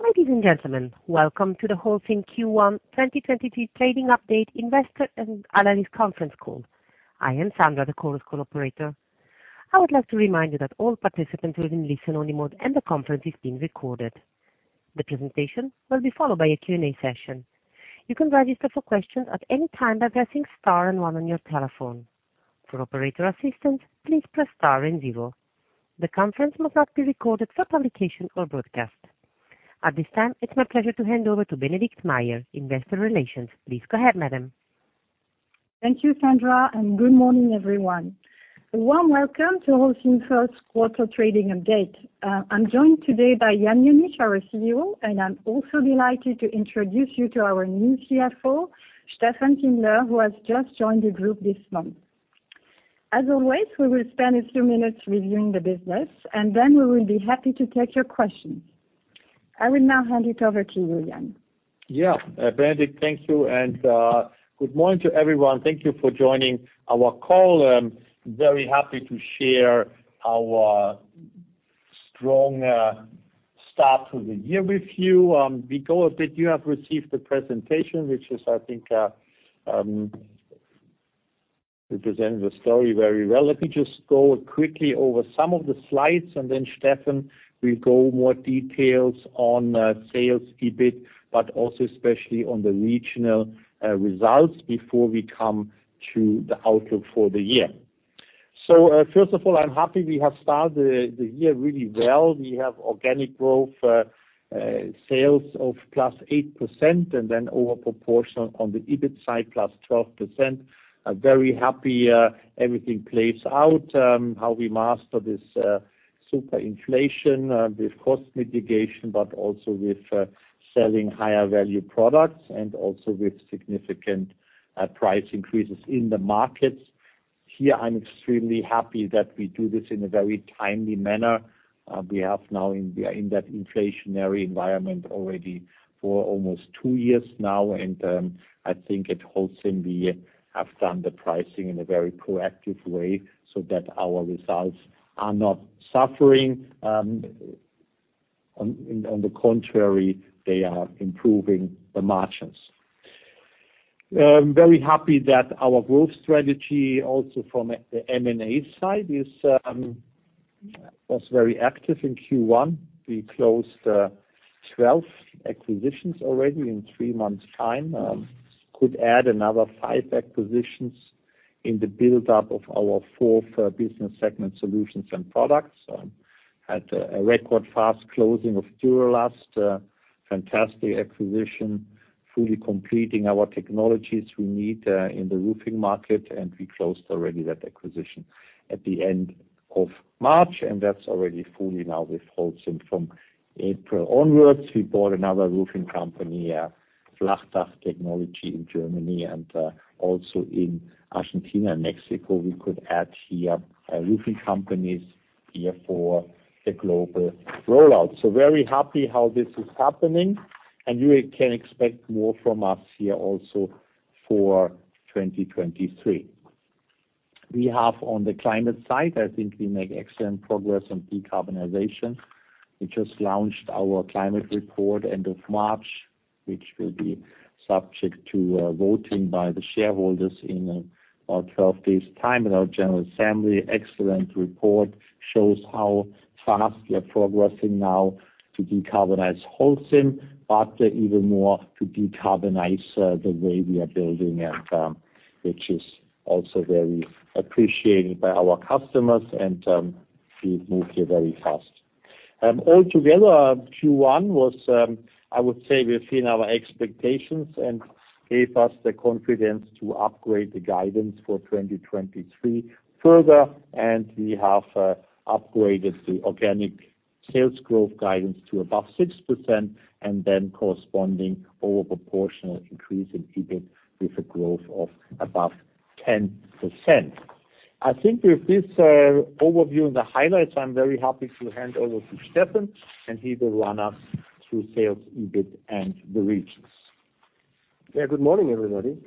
Ladies and gentlemen, welcome to the Holcim Q1 2023 trading update investor and analyst conference call. I am Sandra, the Chorus Call operator. I would like to remind you that all participants will be in listen-only mode, and the conference is being recorded. The presentation will be followed by a Q&A session. You can register for questions at any time by pressing star and one on your telephone. For operator assistance, please press star and zero. The conference must not be recorded for publication or broadcast. At this time, it's my pleasure to hand over to Bénédicte Mayer, Investor Relations. Please go ahead, madam. Thank you, Sandra, and good morning, everyone. A warm welcome to Holcim first quarter trading update. I'm joined today by Jan Jenisch, our CEO, and I'm also delighted to introduce you to our new CFO, Steffen Kindler, who has just joined the group this month. As always, we will spend a few minutes reviewing the business, and then we will be happy to take your questions. I will now hand it over to you, Jan. Benedict, thank you. Good morning to everyone. Thank you for joining our call. Very happy to share our strong start to the year with you. If you have received the presentation, which is, I think, represents the story very well. Let me just go quickly over some of the slides, and then Steffen will go more details on sales EBIT, but also especially on the regional results before we come to the outlook for the year. First of all, I'm happy we have started the year really well. We have organic growth sales of +8% and then over proportional on the EBIT side, +12%. I'm very happy everything plays out how we master this super inflation with cost mitigation, but also with selling higher value products and also with significant price increases in the markets. Here, I'm extremely happy that we do this in a very timely manner. We are in that inflationary environment already for almost two years now. I think at Holcim we have done the pricing in a very proactive way so that our results are not suffering. On the contrary, they are improving the margins. Very happy that our growth strategy also from the M&A side was very active in Q1. We closed 12 acquisitions already in three months time. Could add another five acquisitions in the build-up of our fourth business segment Solutions & Products. Had a record fast closing of Duro-Last. Fantastic acquisition, fully completing our technologies we need in the roofing market. We closed already that acquisition at the end of March, and that's already fully now with Holcim. From April onwards, we bought another roofing company, FDT Flachdach Technologie in Germany. Also in Argentina and Mexico, we could add here roofing companies here for the global rollout. Very happy how this is happening, and you can expect more from us here also for 2023. We have on the climate side, I think we make excellent progress on decarbonization. We just launched our climate report end of March, which will be subject to voting by the shareholders in about 12 days time. In our general assembly, excellent report shows how fast we are progressing now to decarbonize Holcim, but even more to decarbonize the way we are building, which is also very appreciated by our customers and we move here very fast. All together, Q1 was I would say within our expectations and gave us the confidence to upgrade the guidance for 2023 further. We have upgraded the organic sales growth guidance to above 6% and then corresponding over proportional increase in EBIT with a growth of above 10%. I think with this overview and the highlights, I'm very happy to hand over to Steffen, he will run us through sales, EBIT and the regions. Yeah. Good morning, everybody.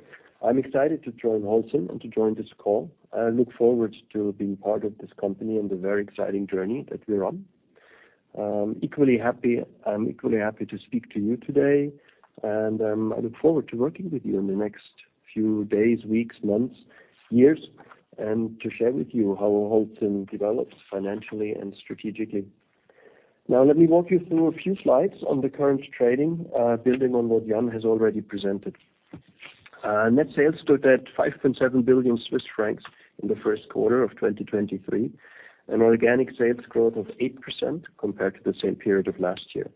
I'm excited to join Holcim and to join this call. I look forward to being part of this company and the very exciting journey that we're on. I'm equally happy to speak to you today, and I look forward to working with you in the next few days, weeks, months, years, and to share with you how Holcim develops financially and strategically. Let me walk you through a few slides on the current trading, building on what Jan has already presented. Net sales stood at 5.7 billion Swiss francs in the first quarter of 2023. An organic sales growth of 8% compared to the same period of last year.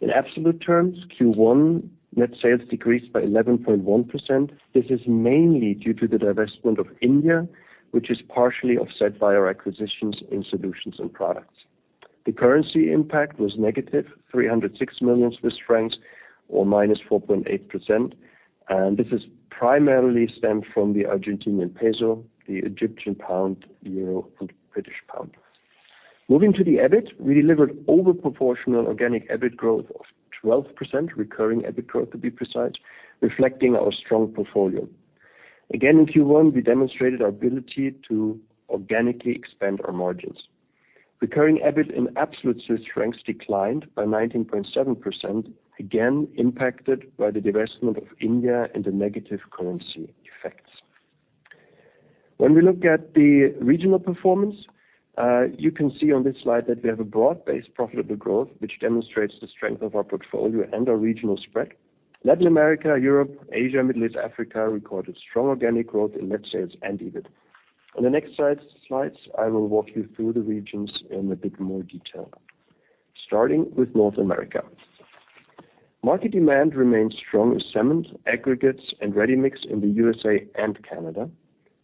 In absolute terms, Q1 net sales decreased by 11.1%. This is mainly due to the divestment of India, which is partially offset by our acquisitions in Solutions & Products. The currency impact was negative 306 million Swiss francs or -4.8%. This is primarily stemmed from the Argentinian peso, the Egyptian pound, euro, and British pound. Moving to the EBIT, we delivered over proportional organic EBIT growth of 12%, recurring EBIT growth to be precise, reflecting our strong portfolio. Again, if you want, we demonstrated our ability to organically expand our margins. Recurring EBIT in absolute Swiss francs declined by 19.7%, again impacted by the divestment of India and the negative currency effects. When we look at the regional performance, you can see on this slide that we have a broad-based profitable growth, which demonstrates the strength of our portfolio and our regional spread. Latin America, Europe, Asia, Middle East, Africa recorded strong organic growth in net sales and EBIT. On the next slide, I will walk you through the regions in a bit more detail. Starting with North America. Market demand remains strong as cement, aggregates, and ready-mix in the U.S.A and Canada.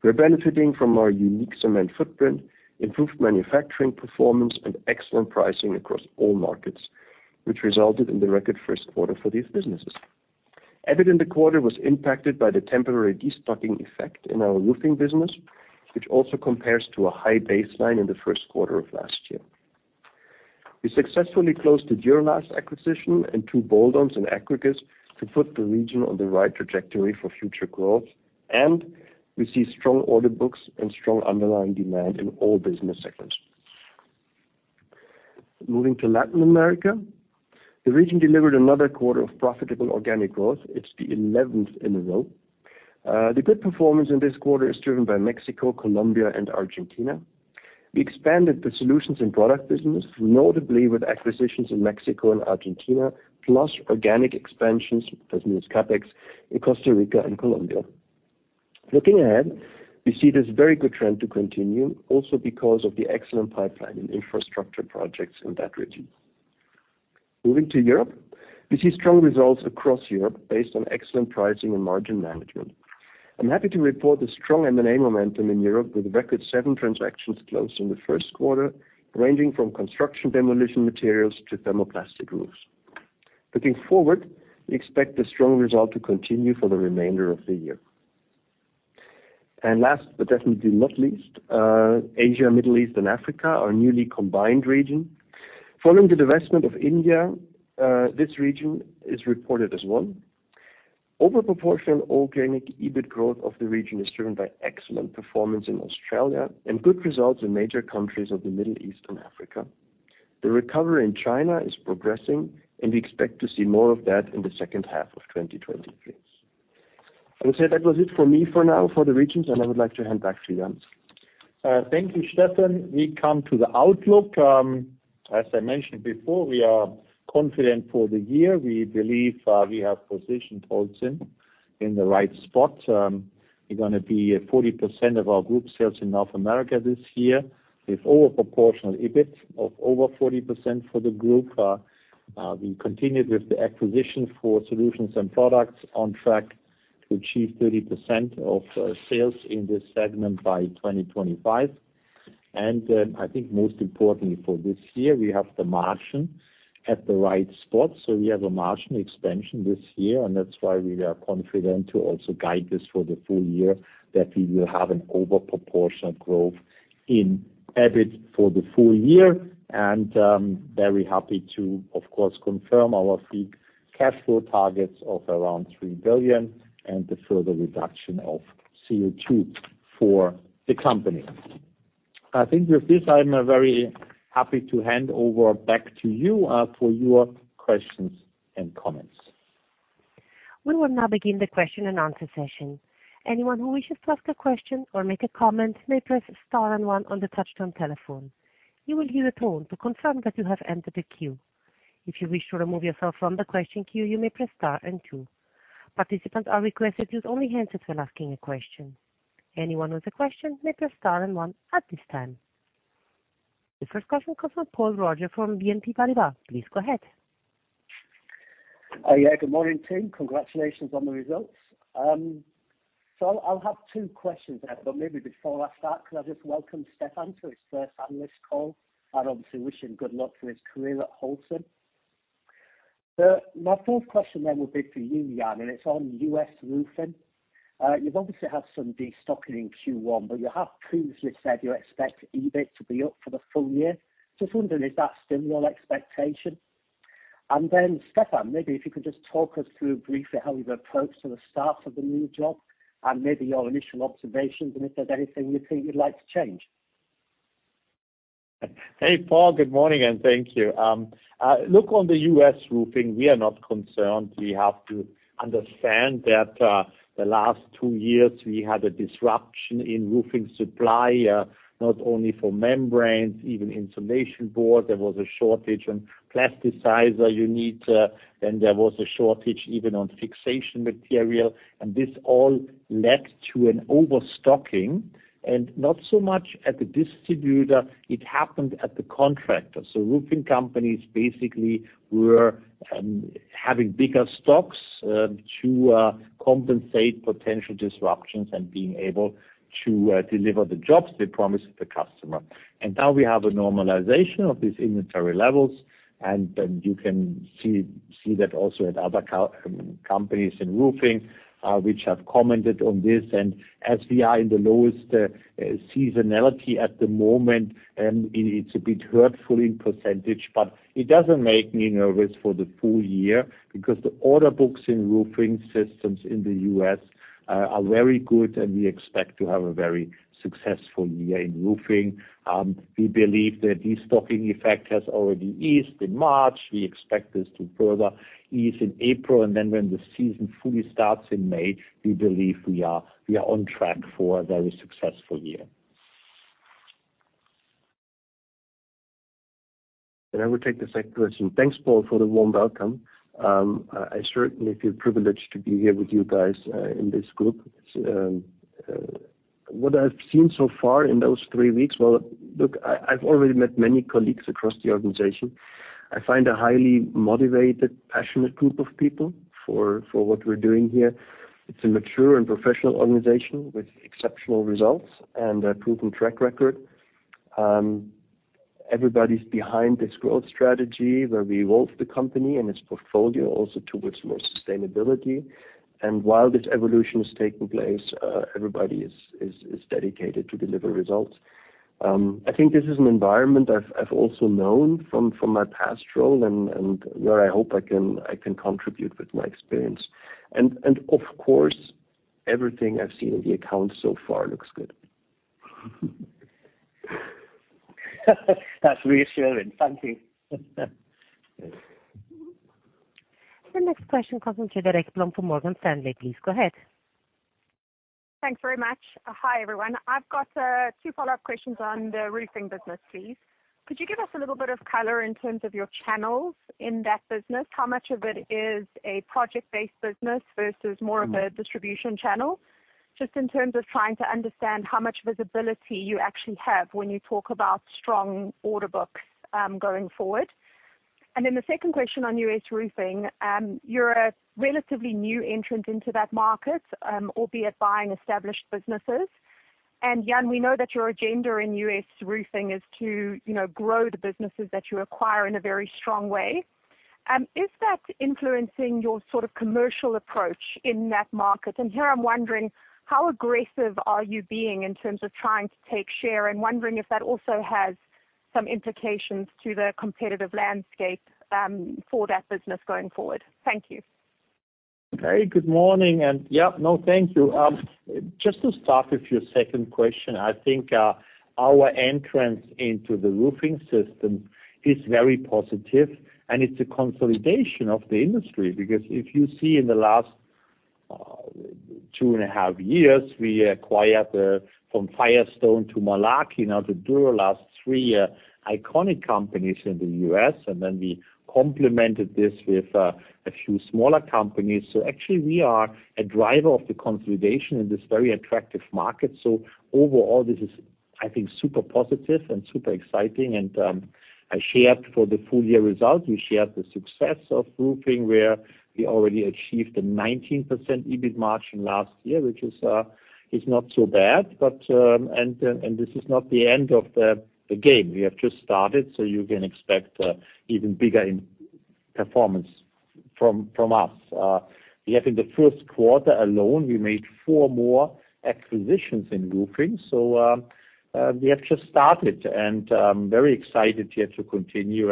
We're benefiting from our unique cement footprint, improved manufacturing performance, and excellent pricing across all markets, which resulted in the record first quarter for these businesses. EBIT in the quarter was impacted by the temporary destocking effect in our roofing business, which also compares to a high baseline in the first quarter of last year. We successfully closed the Duro-Last acquisition and two bolt-ons and aggregates to put the region on the right trajectory for future growth, and we see strong order books and strong underlying demand in all business segments. Moving to Latin America. The region delivered another quarter of profitable organic growth. It's the 11th in a row. The good performance in this quarter is driven by Mexico, Colombia, and Argentina. We expanded the Solutions & Products business, notably with acquisitions in Mexico and Argentina, plus organic expansions, that means CapEx, in Costa Rica and Colombia. Looking ahead, we see this very good trend to continue, also because of the excellent pipeline in infrastructure projects in that region. Moving to Europe. We see strong results across Europe based on excellent pricing and margin management. I'm happy to report the strong M&A momentum in Europe with a record seven transactions closed in the first quarter, ranging from construction and demolition materials to thermoplastic roofs. Looking forward, we expect the strong result to continue for the remainder of the year. Last, but definitely not least, Asia, Middle East, and Africa, our newly combined region. Following the divestment of India, this region is reported as one. Overproportionate organic EBIT growth of the region is driven by excellent performance in Australia and good results in major countries of the Middle East and Africa. The recovery in China is progressing, and we expect to see more of that in the second half of 2023. I would say that was it for me for now for the regions, and I would like to hand back to you, Jan. Thank you, Steffen. We come to the outlook. As I mentioned before, we are confident for the year. We believe we have positioned Holcim in the right spot. We're gonna be at 40% of our group sales in North America this year with overproportional EBIT of over 40% for the group. We continue with the acquisition for Solutions & Products on track to achieve 30% of sales in this segment by 2025. I think most importantly for this year, we have the margin at the right spot. We have a margin expansion this year, and that's why we are confident to also guide this for the full year, that we will have an overproportionate growth in EBIT for the full year. Very happy to, of course, confirm our free cash flow targets of around 3 billion and the further reduction of CO2 for the company. I think with this, I'm very happy to hand over back to you for your questions and comments. We will now begin the question-and-answer session. Anyone who wishes to ask a question or make a comment may press star and one on the touchtone telephone. You will hear a tone to confirm that you have entered the queue. If you wish to remove yourself from the question queue, you may press star and two. Participants are requested to use only hands up when asking a question. Anyone with a question may press star and one at this time. The first question comes from Paul Roger from BNP Paribas. Please go ahead. Yeah, good morning, team. Congratulations on the results. I'll have two questions. Maybe before I start, can I just welcome Steffen to his first analyst call? I'd obviously wish him good luck for his career at Holcim. My first question would be for you, Jan, and it's on U.S. Roofing. You've obviously had some destocking in Q1, but you have previously said you expect EBIT to be up for the full year. Just wondering, is that still your expectation? Steffen, maybe if you could just talk us through briefly how you've approached the start of the new job and maybe your initial observations, and if there's anything you think you'd like to change. Hey, Paul. Good morning. Thank you. Look, on the U.S. Roofing, we are not concerned. We have to understand that the last two years we had a disruption in roofing supply, not only for membranes, even insulation board. There was a shortage on plasticizer you need, and there was a shortage even on fixation material. This all led to an overstocking, and not so much at the distributor. It happened at the contractor. Roofing companies basically were having bigger stocks to compensate potential disruptions and being able to deliver the jobs they promised the customer. Now we have a normalization of these inventory levels. You can see that also at other companies in roofing, which have commented on this. As we are in the lowest seasonality at the moment, it's a bit hurtful in percentage, but it doesn't make me nervous for the full year because the order books in roofing systems in the U.S. are very good. We expect to have a very successful year in roofing. We believe the destocking effect has already eased in March. We expect this to further ease in April. When the season fully starts in May, we believe we are on track for a very successful year. I will take the second question. Thanks, Paul, for the warm welcome. I certainly feel privileged to be here with you guys in this group. What I've seen so far in those three weeks. Well, look, I've already met many colleagues across the organization. I find a highly motivated, passionate group of people for what we're doing here. It's a mature and professional organization with exceptional results and a proven track record. Everybody's behind this growth strategy where we evolve the company and its portfolio also towards more sustainability. While this evolution is taking place, everybody is dedicated to deliver results. I think this is an environment I've also known from my past role and where I hope I can contribute with my experience. Of course, everything I've seen in the accounts so far looks good. That's reassuring. Thank you. The next question comes from Cedar Ekblom from Morgan Stanley. Please go ahead. Thanks very much. Hi, everyone. I've got two follow-up questions on the roofing business, please. Could you give us a little bit of color in terms of your channels in that business? How much of it is a project-based business versus more of a distribution channel? Just in terms of trying to understand how much visibility you actually have when you talk about strong order books going forward. The second question on U.S. Roofing, you're a relatively new entrant into that market, albeit buying established businesses. Jan, we know that your agenda in U.S. Roofing is to, you know, grow the businesses that you acquire in a very strong way. Is that influencing your sort of commercial approach in that market? Here I'm wondering how aggressive are you being in terms of trying to take share and wondering if that also has some implications to the competitive landscape for that business going forward. Thank you. Okay. Good morning. Yeah. No, thank you. Just to start with your second question, I think, our entrance into the roofing system is very positive. It's a consolidation of the industry. If you see in the last two and a half years, we acquired from Firestone to Malarkey. Now, the Duro-Last three iconic companies in the U.S., we complemented this with a few smaller companies. Actually we are a driver of the consolidation in this very attractive market. Overall, this is, I think, super positive and super exciting. I shared for the full year results. We shared the success of roofing, where we already achieved a 19% EBIT margin last year, which is not so bad. This is not the end of the game. We have just started, so you can expect even bigger performance from us. We have in the first quarter alone, we made four more acquisitions in roofing. We have just started and very excited here to continue.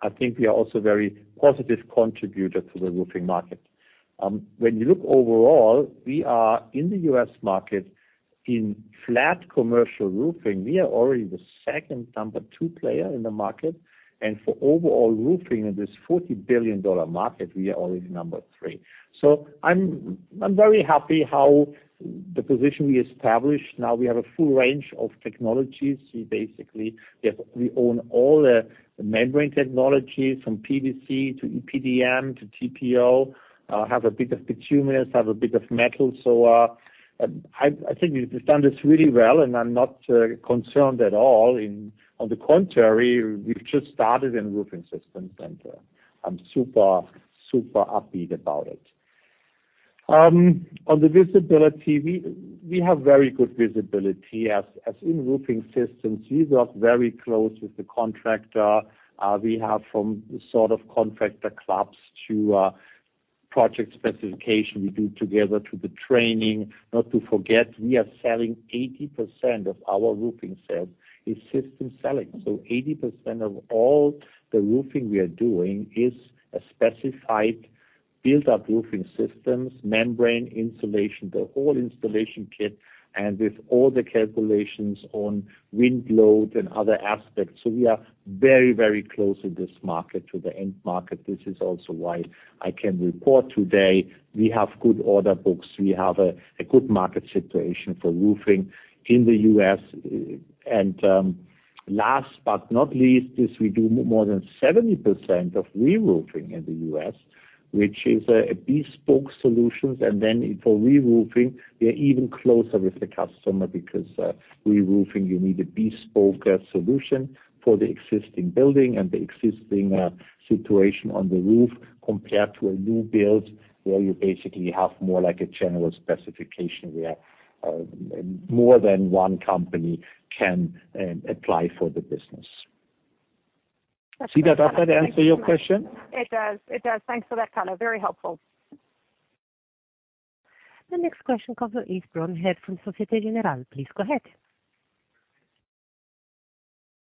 I think we are also very positive contributor to the roofing market. When you look overall, we are in the U.S. market in flat commercial roofing. We are already the second number two player in the market. For overall roofing in this $40 billion market, we are already number three. I'm very happy how the position we established. Now we have a full range of technologies. We basically, we own all the membrane technologies from PVC to EPDM to TPO, have a bit of bituminous, have a bit of metal. I think we've done this really well, and I'm not concerned at all. On the contrary, we've just started in roofing systems, and I'm super upbeat about it. On the visibility, we have very good visibility. As in roofing systems, we work very close with the contractor. We have from sort of contractor clubs to project specification we do together to the training. Not to forget, we are selling 80% of our roofing sales is system selling. 80% of all the roofing we are doing is a specified build-up roofing systems, membrane insulation, the whole installation kit, and with all the calculations on wind load and other aspects. We are very, very close in this market to the end market. This is also why I can report today we have good order books. We have a good market situation for roofing in the U.S. Last but not least is we do more than 70% of reroofing in the U.S., which is a bespoke solutions. Then for reroofing, we are even closer with the customer because reroofing you need a bespoke solution for the existing building and the existing situation on the roof compared to a new build, where you basically have more like a general specification where more than one company can apply for the business. That's very helpful. See that answer your question? It does. It does. Thanks for that color. Very helpful. The next question comes from Yves Bromehead from Societe Generale. Please go ahead.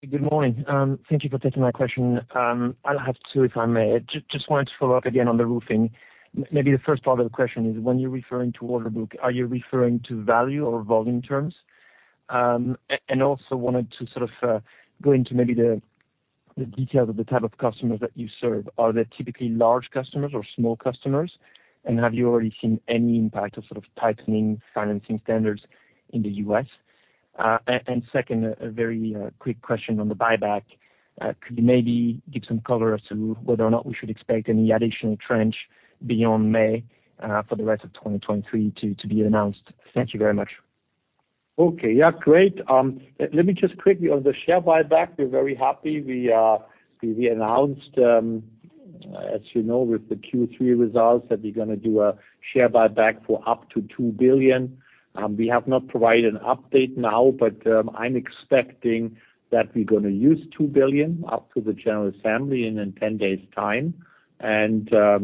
Good morning. Thank you for taking my question. I'll have two, if I may. Just wanted to follow up again on the roofing. Maybe the first part of the question is, when you're referring to order book, are you referring to value or volume terms? Also wanted to sort of go into maybe the details of the type of customers that you serve. Are they typically large customers or small customers? Have you already seen any impact of sort of tightening financing standards in the U.S.? Second, a very quick question on the buyback. Could you maybe give some color as to whether or not we should expect any additional trench beyond May for the rest of 2023 to be announced? Thank you very much. Okay. Yeah, great. Let me just quickly, on the share buyback, we're very happy. We announced, as you know, with the Q3 results, that we're gonna do a share buyback for up to 2 billion. We have not provided an update now, but I'm expecting that we're gonna use 2 billion up to the general assembly in 10 days' time. We're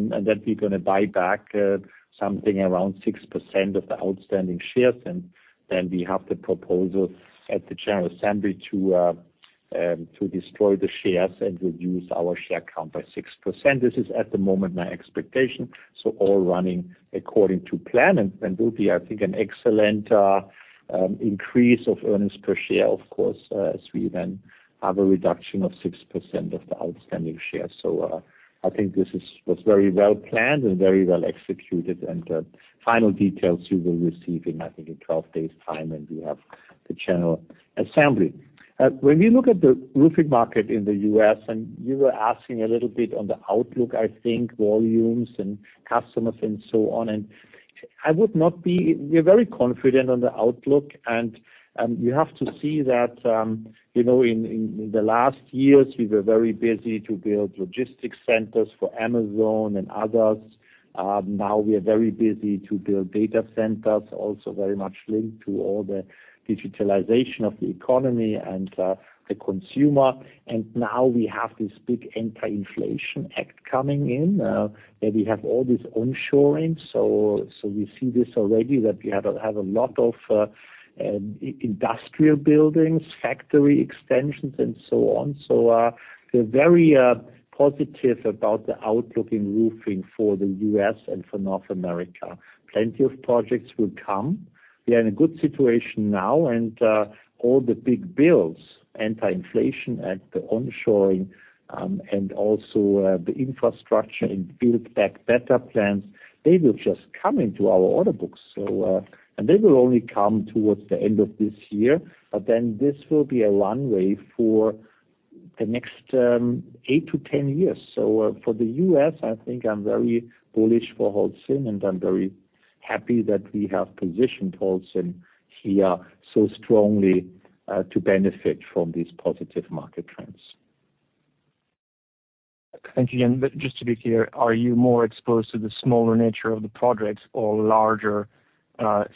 gonna buy back something around 6% of the outstanding shares. We have the proposal at the general assembly to destroy the shares and reduce our share count by 6%. This is at the moment my expectation, so all running according to plan. will be, I think, an excellent increase of earnings per share, as we then have a reduction of 6% of the outstanding shares. I think this was very well-planned and very well-executed. Final details you will receive in 12 days' time, and we have the general assembly. When we look at the roofing market in the U.S., and you were asking a little bit on the outlook, I think, volumes and customers and so on. We're very confident on the outlook. You have to see that, you know, in the last years, we were very busy to build logistics centers for Amazon and others. Now we are very busy to build data centers, also very much linked to all the digitalization of the economy and the consumer. Now we have this big Anti-Inflation Act coming in, where we have all this onshoring. We see this already that we have a lot of industrial buildings, factory extensions and so on. We're very positive about the outlook in roofing for the U.S. and for North America. Plenty of projects will come. We are in a good situation now, and all the big bills, Anti-Inflation Act, the onshoring, and also the infrastructure and Build Back Better plans, they will just come into our order books. They will only come towards the end of this year. This will be a runway for the next 8 to 10 years. For the U.S., I think I'm very bullish for Holcim, and I'm very happy that we have positioned Holcim here so strongly to benefit from these positive market trends. Thank you again. Just to be clear, are you more exposed to the smaller nature of the projects or larger,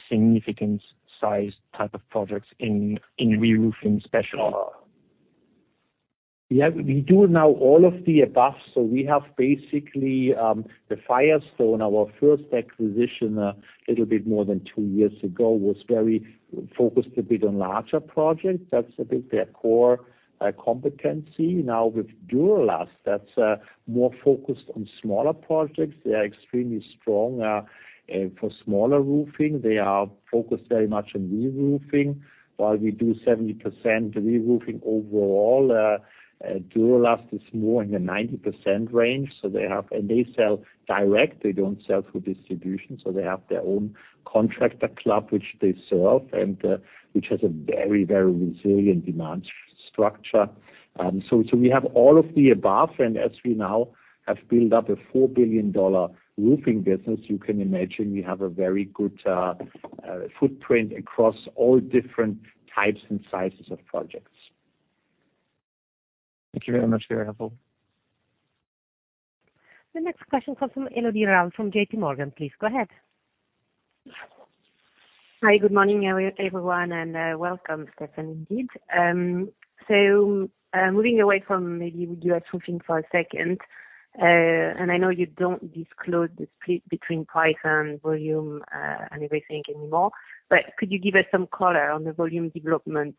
significant size type of projects in reroofing special? We do now all of the above. We have basically, the Firestone, our first acquisition a little bit more than two years ago, was very focused a bit on larger projects. That's a bit their core competency. With Duro-Last, that's more focused on smaller projects. They are extremely strong for smaller roofing. They are focused very much on reroofing. While we do 70% reroofing overall, Duro-Last is more in the 90% range. They sell direct. They don't sell through distribution, so they have their own contractor club which they serve and, which has a very, very resilient demand structure. We have all of the above. As we now have built up a $4 billion roofing business, you can imagine we have a very good footprint across all different types and sizes of projects. Thank you very much. Very helpful. The next question comes from Elodie Rall from JPMorgan. Please go ahead. Hi. Good morning, everyone, and welcome, Steffen, indeed. Moving away from maybe roofings for a second, and I know you don't disclose the split between price and volume, and everything anymore, but could you give us some color on the volume development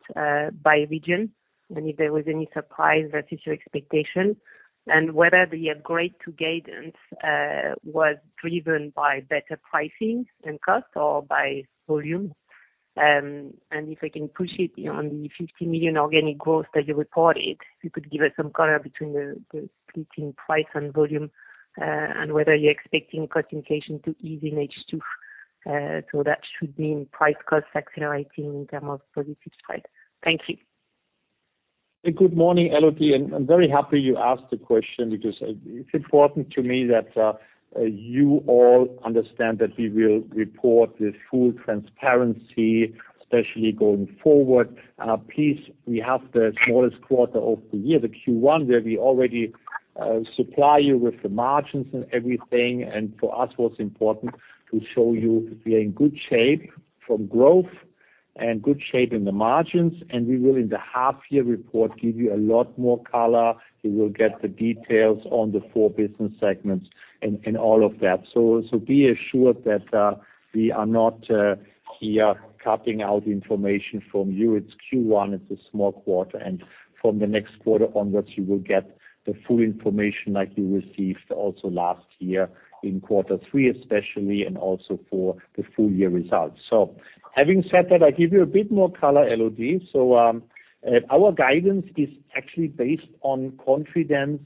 by region, and if there was any surprise versus your expectation? And whether the upgrade to guidance was driven by better pricing and cost or by volume? And if I can push it on the 50 million organic growth that you reported, you could give us some color between the split in price and volume, and whether you're expecting cost inflation to ease in H2. That should mean price cost accelerating in terms of positive slide. Thank you. Good morning, Elodie. I'm very happy you asked the question because it's important to me that you all understand that we will report with full transparency, especially going forward. Please, we have the smallest quarter of the year, the Q1, where we already supply you with the margins and everything. For us, what's important to show you we're in good shape for growth and good shape in the margins, and we will, in the half year report, give you a lot more color. You will get the details on the four business segments and all of that. Be assured that we are not here cutting out information from you. It's Q1. It's a small quarter. From the next quarter onwards, you will get the full information like you received also last year in quarter three especially, also for the full year results. Having said that, I give you a bit more color, Elodie. Our guidance is actually based on confidence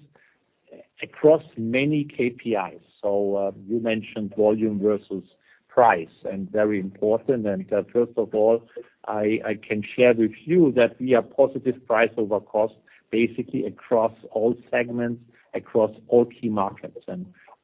across many KPIs. You mentioned volume versus price, and very important. First of all, I can share with you that we are positive price over cost, basically across all segments, across all key markets.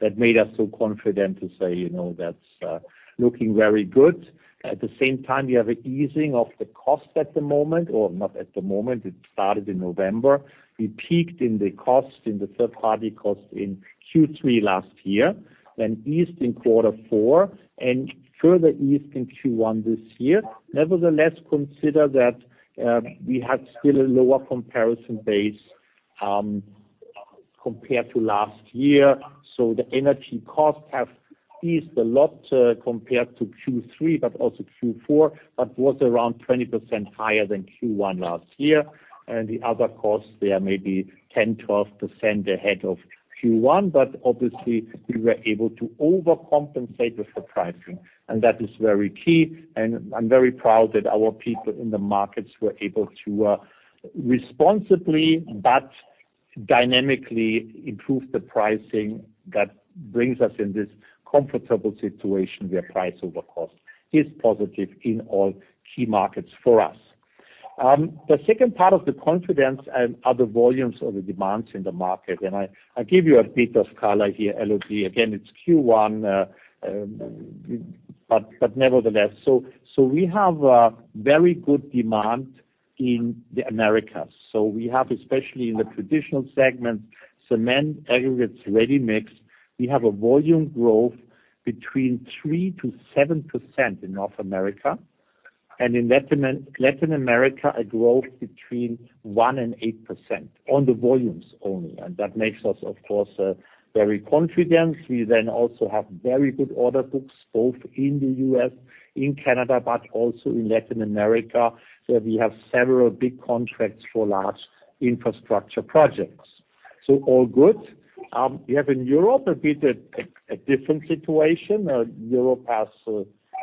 That made us so confident to say, you know, that's looking very good. At the same time, we have an easing of the cost at the moment, or not at the moment, it started in November. We peaked in the cost, in the third-party cost in Q3 last year, then eased in quarter four, and further eased in Q1 this year. Nevertheless, consider that we have still a lower comparison base compared to last year. The energy costs have eased a lot compared to Q3, but also Q4, but was around 20% higher than Q1 last year. The other costs there may be 10%, 12% ahead of Q1, but obviously we were able to overcompensate with the pricing. That is very key, and I'm very proud that our people in the markets were able to responsibly, but dynamically improve the pricing that brings us in this comfortable situation where price over cost is positive in all key markets for us. The second part of the confidence and other volumes or the demands in the market, I give you a bit of color here, Elodie. Again, it's Q1, but nevertheless. We have a very good demand in the Americas. We have, especially in the traditional segments, cement, aggregates, ready-mix, we have a volume growth between 3%-7% in North America. In Latin America, a growth between 1% and 8% on the volumes only. That makes us, of course, very confident. We then also have very good order books, both in the U.S., in Canada, but also in Latin America, where we have several big contracts for large infrastructure projects. All good. We have in Europe a bit a different situation. Europe has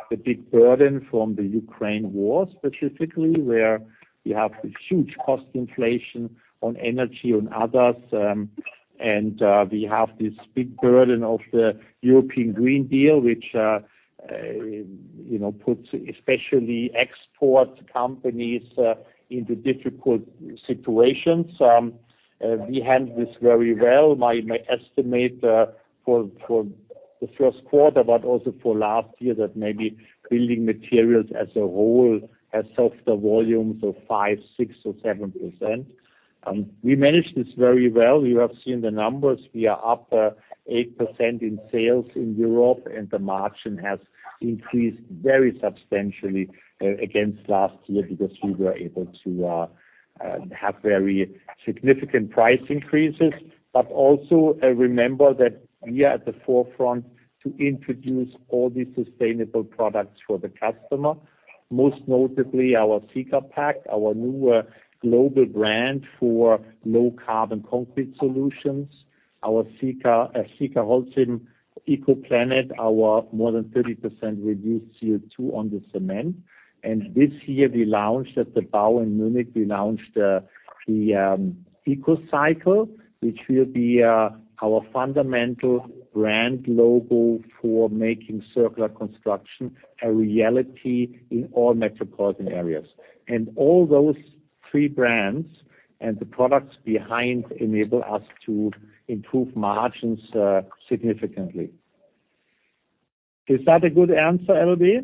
the big burden from the Ukraine war, specifically, where you have this huge cost inflation on energy, on others, we have this big burden of the European Green Deal, which, you know, puts especially export companies into difficult situations. We handle this very well. My estimate for the first quarter, also for last year, that maybe building materials as a whole has softer volumes of 5%, 6%, or 7%. We managed this very well. You have seen the numbers. We are up 8% in sales in Europe, the margin has increased very substantially against last year because we were able to have very significant price increases. Also, remember that we are at the forefront to introduce all these sustainable products for the customer. Most notably our ECOPact, our new global brand for low-carbon concrete solutions. Our Sika Holcim ECOPlanet, our more than 30% reduced CO2 on the cement. This year we launched at the BAU in Munich, we launched the ECOCycle, which will be our fundamental brand logo for making circular construction a reality in all metropolitan areas. All those three brands and the products behind enable us to improve margins significantly. Is that a good answer, Elodie?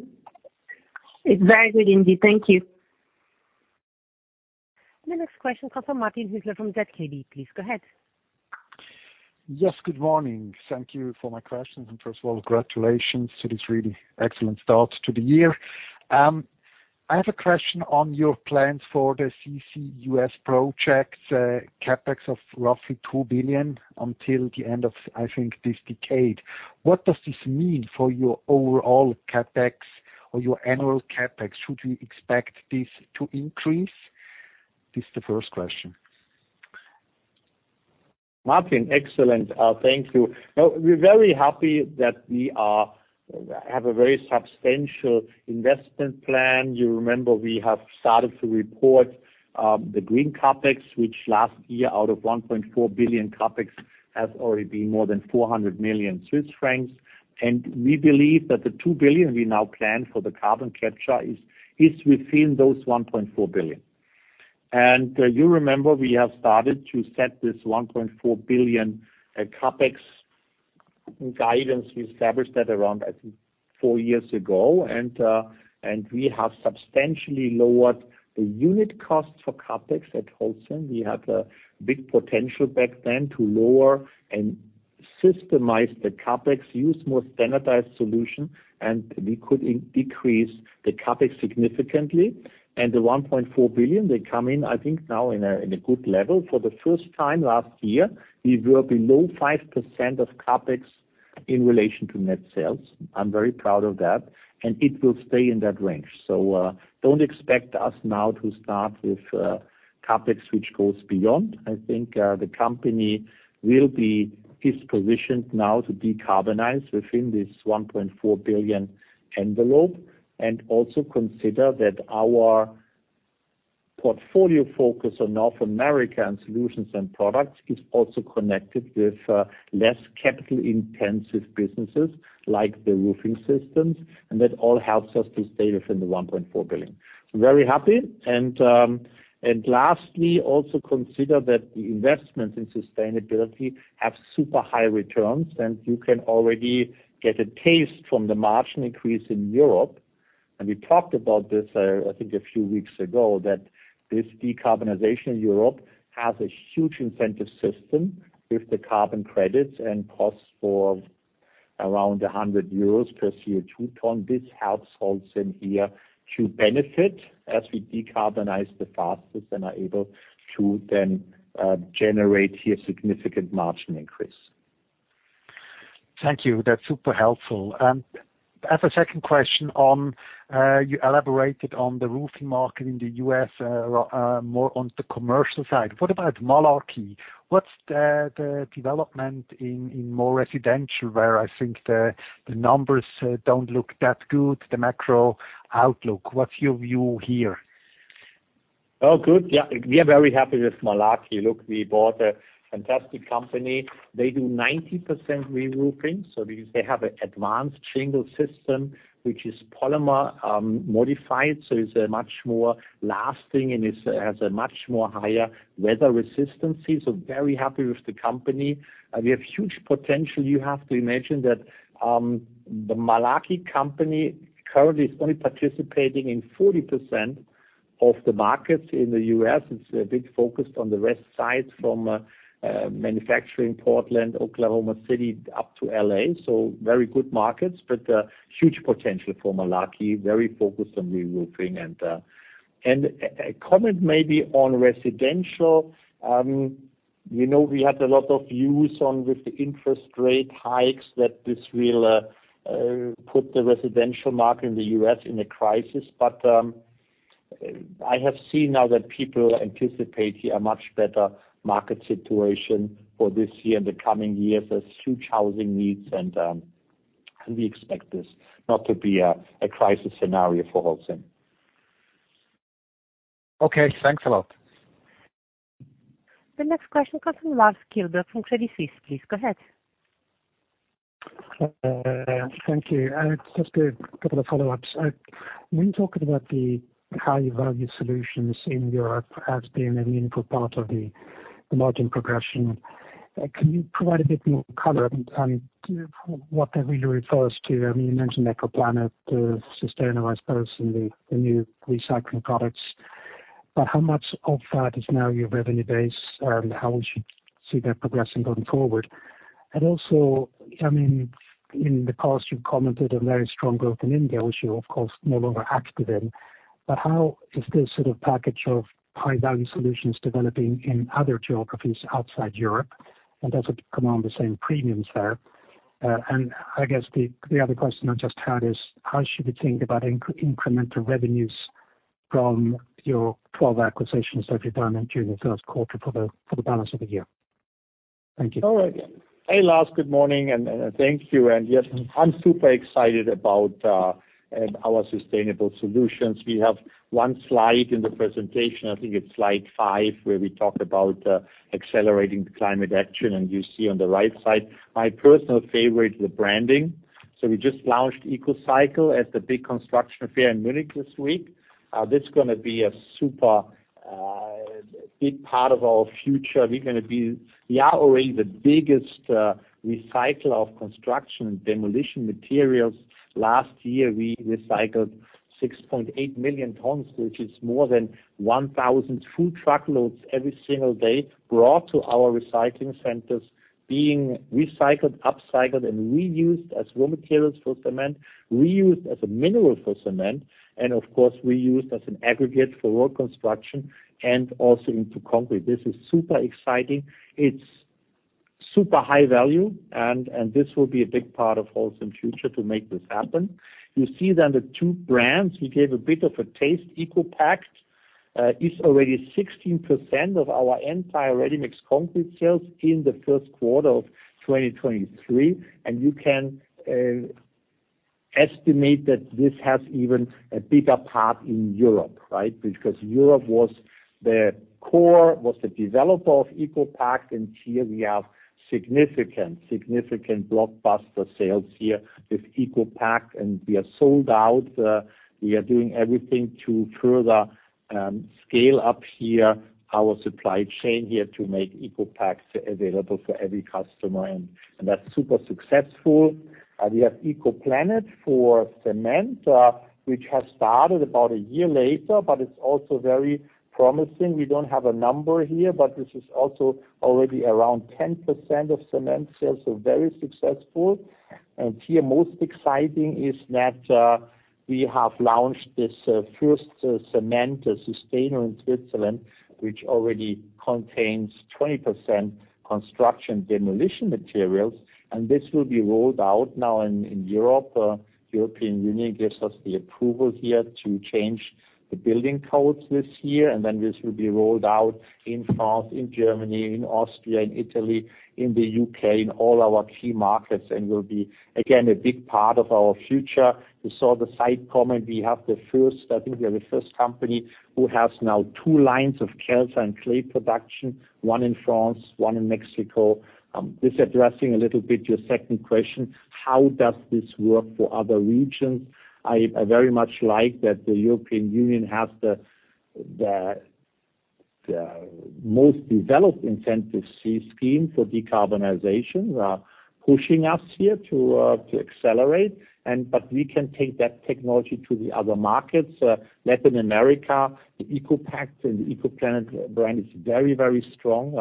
It's very good indeed. Thank you. The next question comes from Martin Hüsler from ZKB. Please go ahead. Yes, good morning. Thank you for my questions. First of all, congratulations to this really excellent start to the year. I have a question on your plans for the CC U.S. project, CapEx of roughly 2 billion until the end of, I think, this decade. What does this mean for your overall CapEx or your annual CapEx? Should we expect this to increase? This is the first question. Martin, excellent. Thank you. We're very happy that we have a very substantial investment plan. You remember we have started to report the green CapEx, which last year out of 1.4 billion CapEx has already been more than 400 million Swiss francs. We believe that the 2 billion we now plan for the carbon capture is within those 1.4 billion. You remember we have started to set this 1.4 billion CapEx guidance. We established that around, I think, four years ago. We have substantially lowered the unit cost for CapEx at Holcim. We had a big potential back then to lower and systemize the CapEx, use more standardized solution, and we could decrease the CapEx significantly. The 1.4 billion, they come in, I think now in a good level. For the first time last year, we were below 5% of CapEx in relation to net sales. I'm very proud of that, and it will stay in that range. Don't expect us now to start with CapEx which goes beyond. I think the company will be dispositioned now to decarbonize within this 1.4 billion envelope. Also consider that our Portfolio focus on North America and Solutions & Products is also connected with less capital intensive businesses like the roofing systems, and that all helps us to stay within the 1.4 billion. Very happy. Lastly, also consider that the investments in sustainability have super high returns, and you can already get a taste from the margin increase in Europe. We talked about this, I think a few weeks ago, that this decarbonization in Europe has a huge incentive system. If the carbon credits and costs for around 100 euros per CO2 ton, this helps Holcim here to benefit as we decarbonize the fastest and are able to then generate here significant margin increase. Thank you. That's super helpful. As a second question on, you elaborated on the roofing market in the U.S., more on the commercial side. What about Malarkey? What's the development in more residential where I think the numbers don't look that good, the macro outlook? What's your view here? Oh, good. Yeah, we are very happy with Malarkey. Look, we bought a fantastic company. They do 90% reroofing, because they have an advanced shingle system, which is polymer modified. It's much more lasting and it has a much more higher weather resistance here. Very happy with the company. We have huge potential. You have to imagine that the Malarkey company currently is only participating in 40% of the markets in the U.S. It's a big focus on the west side from manufacturing, Portland, Oklahoma City, up to LA. Very good markets, but huge potential for Malarkey. Very focused on reroofing. A comment maybe on residential, you know, we had a lot of views on with the interest rate hikes that this will put the residential market in the U.S. in a crisis. I have seen now that people anticipate here a much better market situation for this year and the coming years. There's huge housing needs and we expect this not to be a crisis scenario for Holcim. Okay. Thanks a lot. The next question comes from Lars Kjellberg from Credit Suisse, please go ahead. Thank you. It's just a couple of follow-ups. When talking about the high value solutions in Europe as being a meaningful part of the margin progression, can you provide a bit more color on what that really refers to? I mean, you mentioned ECOPlanet, the Susteno, I suppose, and the new recycling products. How much of that is now your revenue base and how would you see that progressing going forward? Also, I mean, in the past you've commented on very strong growth in India, which you of course no longer active in. How is this sort of package of high value solutions developing in other geographies outside Europe and does it command the same premiums there? I guess the other question I just had is how should we think about incremental revenues from your 12 acquisitions that you've done during the first quarter for the balance of the year? Thank you. All right. Hey, Lars, good morning and thank you. Yes, I'm super excited about our sustainable solutions. We have one slide in the presentation, I think it's Slide 5, where we talk about accelerating climate action. You see on the right side my personal favorite, the branding. We just launched ECOCycle at the big construction fair in Munich this week. This is gonna be a super big part of our future. We are already the biggest recycler of construction and demolition materials. Last year we recycled 6.8 million tons, which is more than 1,000 food truckloads every single day brought to our recycling centers being recycled, upcycled, and reused as raw materials for cement, reused as a mineral for cement, and of course, reused as an aggregate for road construction and also into concrete. This is super exciting. It's super high value and this will be a big part of Holcim future to make this happen. You see that the two brands, we gave a bit of a taste. ECOPact is already 16% of our entire ready-mix concrete sales in the first quarter of 2023. You can estimate that this has even a bigger part in Europe, right? Because Europe was the core, was the developer of ECOPact. Here we have significant blockbuster sales here with ECOPact. We are sold out. We are doing everything to further scale up here our supply chain here to make ECOPacts available for every customer. That's super successful. We have ECOPlanet for cement, which has started about one year later. It's also very promising. We don't have a number here, but this is also already around 10% of cement sales, so very successful. Here most exciting is that we have launched this first cement Susteno in Switzerland, which already contains 20% construction demolition materials. This will be rolled out now in Europe. European Union gives us the approval here to change the building codes this year, and then this will be rolled out in France, in Germany, in Austria, in Italy, in the U.K., in all our key markets, and will be, again, a big part of our future. You saw the side comment. We have I think we are the first company who has now two lines of calcined clay production, one in France, one in Mexico. This addressing a little bit your second question, how does this work for other regions? I very much like that the European Union has the most developed incentive scheme for decarbonization. They are pushing us here to accelerate and we can take that technology to the other markets, Latin America, the ECOPact and the ECOPlanet brand is very, very strong.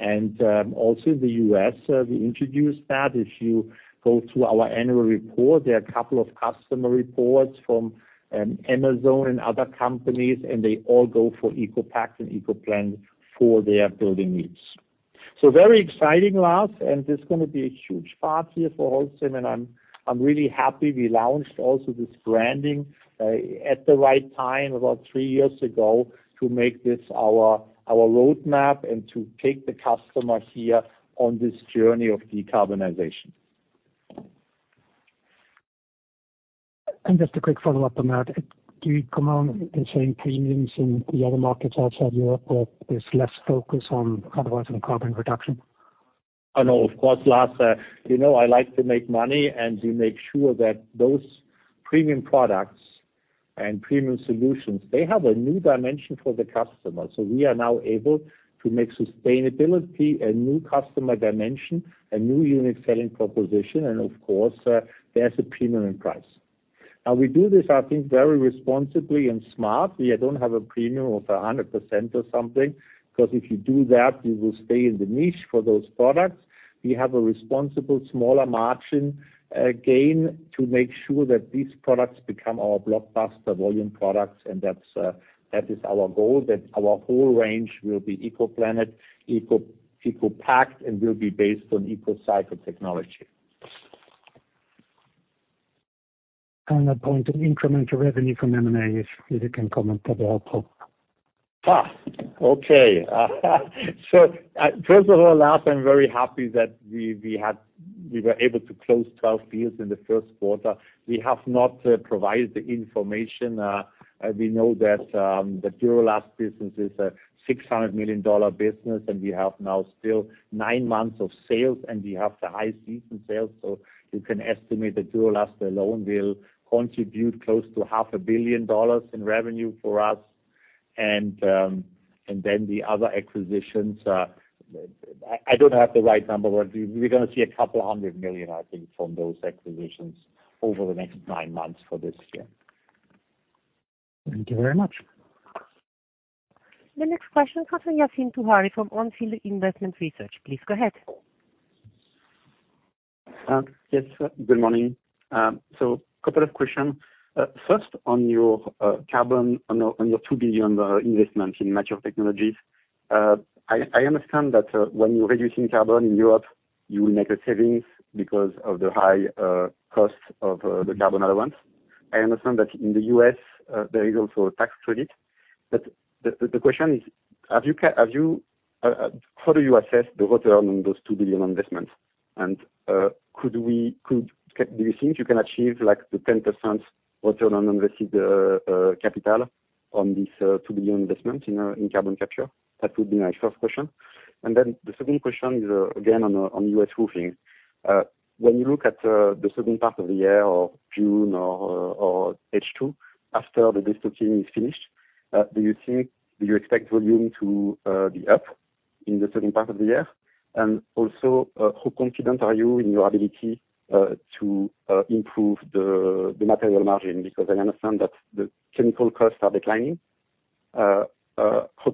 Also the U.S., we introduced that. If you go through our annual report, there are a couple of customer reports from Amazon and other companies, and they all go for ECOPact and ECOPlanet for their building needs. Very exciting, Lars, and there's gonna be a huge part here for Holcim, and I'm really happy we launched also this branding at the right time, about three years ago, to make this our roadmap and to take the customer here on this journey of decarbonization. Just a quick follow-up on that. Do you command the same premiums in the other markets outside Europe, but there's less focus otherwise on carbon reduction? I know, of course, Lars, you know I like to make money, and we make sure that those premium products and premium solutions, they have a new dimension for the customer. We are now able to make sustainability a new customer dimension, a new unit selling proposition, and of course, there's a premium in price. We do this, I think, very responsibly and smart. We don't have a premium of 100% or something, 'cause if you do that, we will stay in the niche for those products. We have a responsible smaller margin, again, to make sure that these products become our blockbuster volume products, and that's, that is our goal, that our whole range will be ECOPlanet, ECOPact, and will be based on ECOCycle technology. On that point of incremental revenue from M&A, if you can comment that would help. First of all, Lars, I'm very happy that we were able to close 12 deals in the first quarter. We have not provided the information. We know that the Duro-Last business is a $600 million business, and we have now still nine months of sales, and we have the high season sales. You can estimate that Duro-Last alone will contribute close to half a billion dollars in revenue for us. The other acquisitions, I don't have the right number, but we're gonna see a couple hundred million, I think, from those acquisitions over the next nine months for this year. Thank you very much. The next question comes from Yassine Touahri from Onfield Investment Research. Please go ahead. Yes. Good morning. Couple of questions. First on your carbon, on your 2 billion investment in mature technologies. I understand that when you're reducing carbon in Europe, you will make a savings because of the high cost of the carbon allowance. I understand that in the U.S. there is also a tax credit. The question is, have you, how do you assess the return on those 2 billion investments? Do you think you can achieve like the 10% return on invested capital on this 2 billion investment in carbon capture? That would be my first question. The second question is again on U.S. roofing. When you look at the second part of the year or June or H2, after the distancing is finished, do you expect volume to be up in the second part of the year? Also, how confident are you in your ability to improve the material margin? Because I understand that the chemical costs are declining. How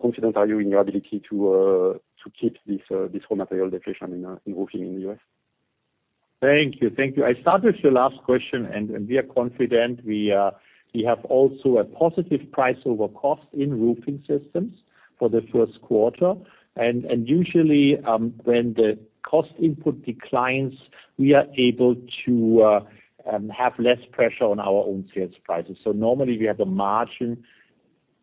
confident are you in your ability to keep this raw material deflation in roofing in the U.S.? Thank you. I start with your last question. We are confident we have also a positive price over cost in roofing systems for the first quarter. Usually, when the cost input declines, we are able to have less pressure on our own sales prices. Normally, we have the margin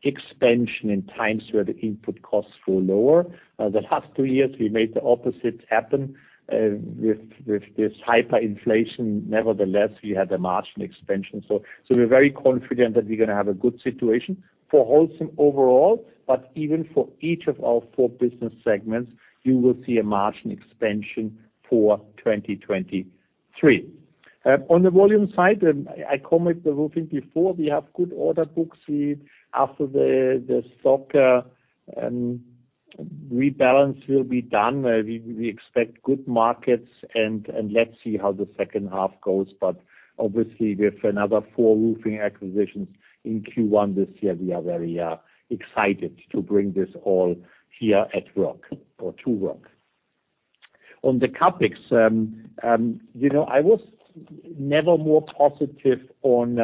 expansion in times where the input costs flow lower. The last two years, we made the opposite happen with this hyperinflation. Nevertheless, we had the margin expansion. We're very confident that we're gonna have a good situation for Holcim overall, but even for each of our four business segments, you will see a margin expansion for 2023. On the volume side, I comment the roofing before. We have good order books. After the stock rebalance will be done, we expect good markets and let's see how the second half goes. Obviously, with another four roofing acquisitions in Q1 this year, we are very excited to bring this all here at work or to work. On the CapEx, you know, I was never more positive on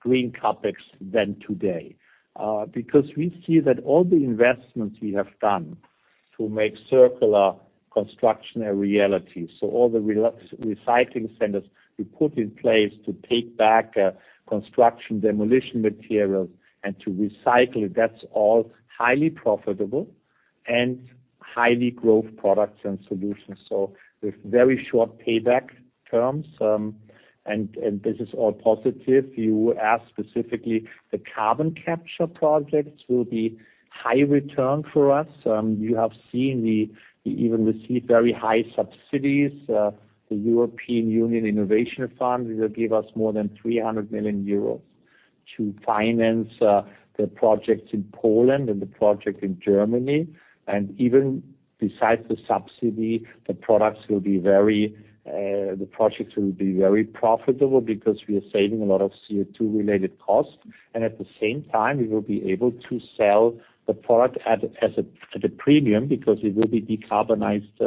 green CapEx than today. Because we see that all the investments we have done to make circular construction a reality. All the recycling centers we put in place to take back construction demolition materials and to recycle, that's all highly profitable and highly growth products and solutions. With very short payback terms, and this is all positive. You asked specifically the carbon capture projects will be high return for us. You have seen we even receive very high subsidies. The European Union Innovation Fund will give us more than 300 million euros to finance the projects in Poland and the project in Germany. Even besides the subsidy, the projects will be very profitable because we are saving a lot of CO2 related costs. At the same time, we will be able to sell the product at a premium because it will be decarbonized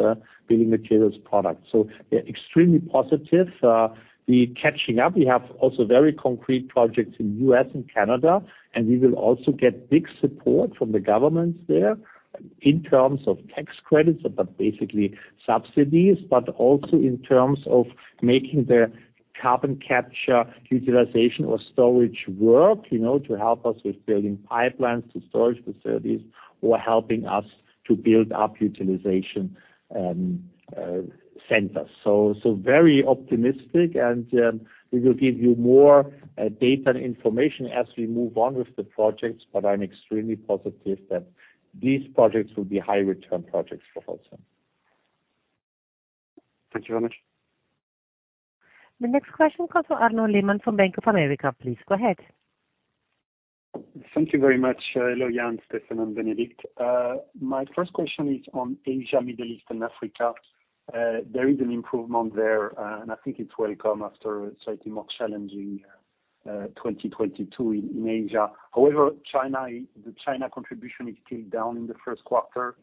building materials product. We're extremely positive. We catching up. We have also very concrete projects in U.S. and Canada, and we will also get big support from the governments there in terms of tax credits, but basically subsidies, but also in terms of making the Carbon Capture, Utilization, or Storage work, you know, to help us with building pipelines to storage facilities or helping us to build up utilization centers. Very optimistic. We will give you more data and information as we move on with the projects. I'm extremely positive that these projects will be high return projects for Holcim. Thank you very much. The next question comes from Arnaud Lehmann from Bank of America. Please go ahead. Thank you very much, Jan, Steffen, and Bénédicte. My first question is on Asia, Middle East, and Africa. There is an improvement there, and I think it's welcome after a slightly more challenging 2022 in Asia. However, the China contribution is still down in the first quarter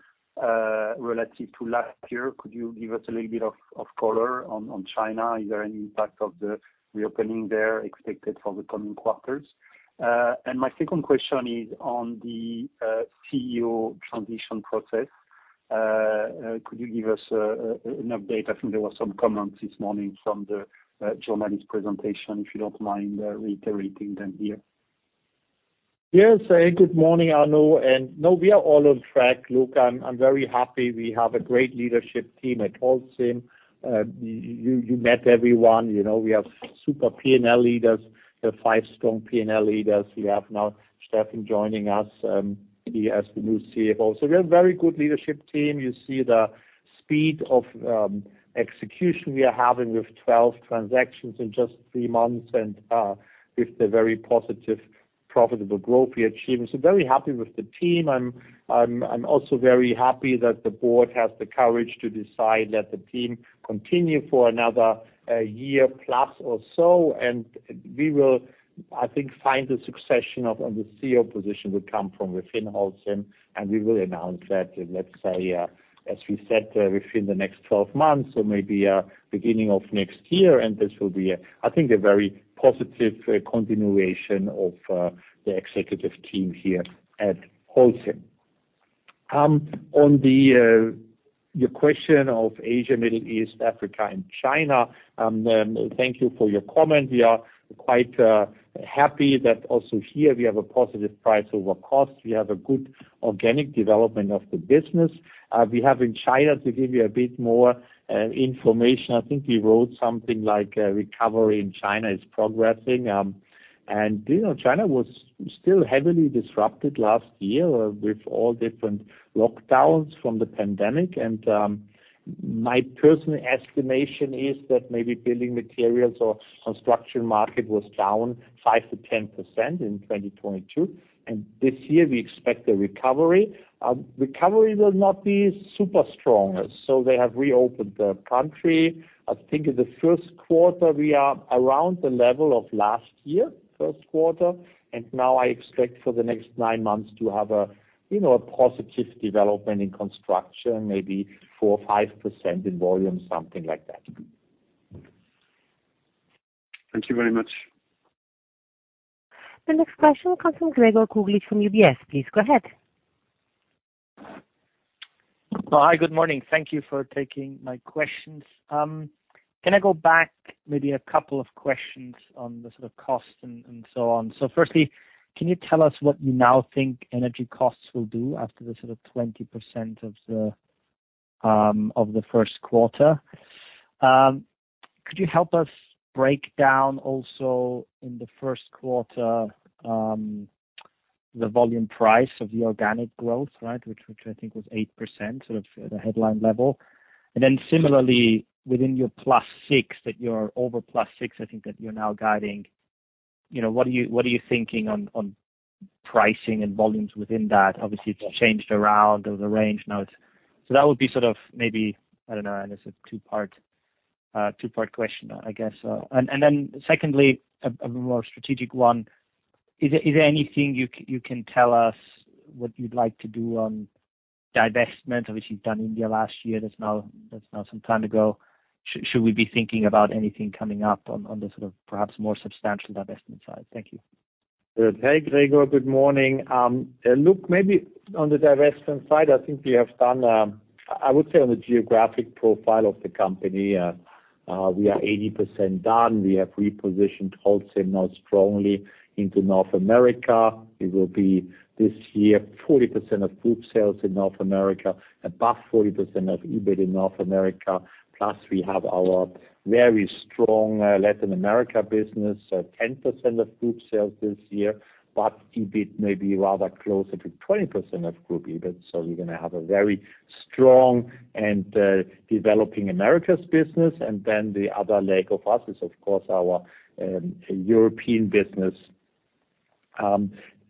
relative to last year. Could you give us a little bit of color on China? Is there any impact of the reopening there expected for the coming quarters? My second question is on the CEO transition process. Could you give us an update? I think there was some comments this morning from the Germany's presentation, if you don't mind reiterating them here. Yes. Good morning, Arnaud. No, we are all on track. Look, I'm very happy we have a great leadership team at Holcim. You met everyone. You know, we have super P&L leaders. We have five strong P&L leaders. We have now Steffen joining us as the new CFO. We have very good leadership team. You see the speed of execution we are having with 12 transactions in just three months with the very positive profitable growth we are achieving. Very happy with the team. I'm also very happy that the board has the courage to decide let the team continue for another year plus or so. We will, I think, find the succession of the CEO position will come from within Holcim, and we will announce that, let's say, as we said, within the next 12 months or maybe beginning of next year. This will be a, I think, a very positive continuation of the executive team here at Holcim. On your question of Asia, Middle East, Africa, and China, thank you for your comment. We are quite happy that also here we have a positive price over cost. We have a good organic development of the business. We have in China, to give you a bit more information, I think we wrote something like recovery in China is progressing. You know, China was still heavily disrupted last year with all different lockdowns from the pandemic. My personal estimation is that maybe building materials or construction market was down 5%-10% in 2022. This year we expect a recovery. Recovery will not be super strong. They have reopened the country. I think in the first quarter we are around the level of last year first quarter. Now I expect for the next nine months to have a, you know, a positive development in construction, maybe 4% or 5% in volume, something like that. Thank you very much. The next question comes from Gregor Kuglitsch from UBS. Please go ahead. Hi. Good morning. Thank you for taking my questions. Can I go back maybe a couple of questions on the sort of costs and so on. Firstly, can you tell us what you now think energy costs will do after the sort of 20% of the first quarter? Could you help us break down also in the first quarter, the volume price of the organic growth, right? Which I think was 8%, sort of the headline level. Similarly, within your +6, that you're over +6, I think that you're now guiding, you know, what are you thinking on pricing and volumes within that? Obviously, it's changed around or the range now. That would be sort of maybe, I don't know, and it's a two-part question, I guess. Secondly, a more strategic one. Is there anything you can tell us what you'd like to do on divestment, which you've done in your last year? That's now some time ago. Should we be thinking about anything coming up on the sort of perhaps more substantial divestment side? Thank you. Hey, Gregor. Good morning. Look, maybe on the divestment side, I think we have done, I would say on the geographic profile of the company, we are 80% done. We have repositioned Holcim now strongly into North America. It will be this year 40% of group sales in North America, above 40% of EBIT in North America. Plus, we have our very strong Latin America business, 10% of group sales this year, but EBIT maybe rather closer to 20% of group EBIT. We're gonna have a very strong and developing Americas business. The other leg of us is, of course, our European business.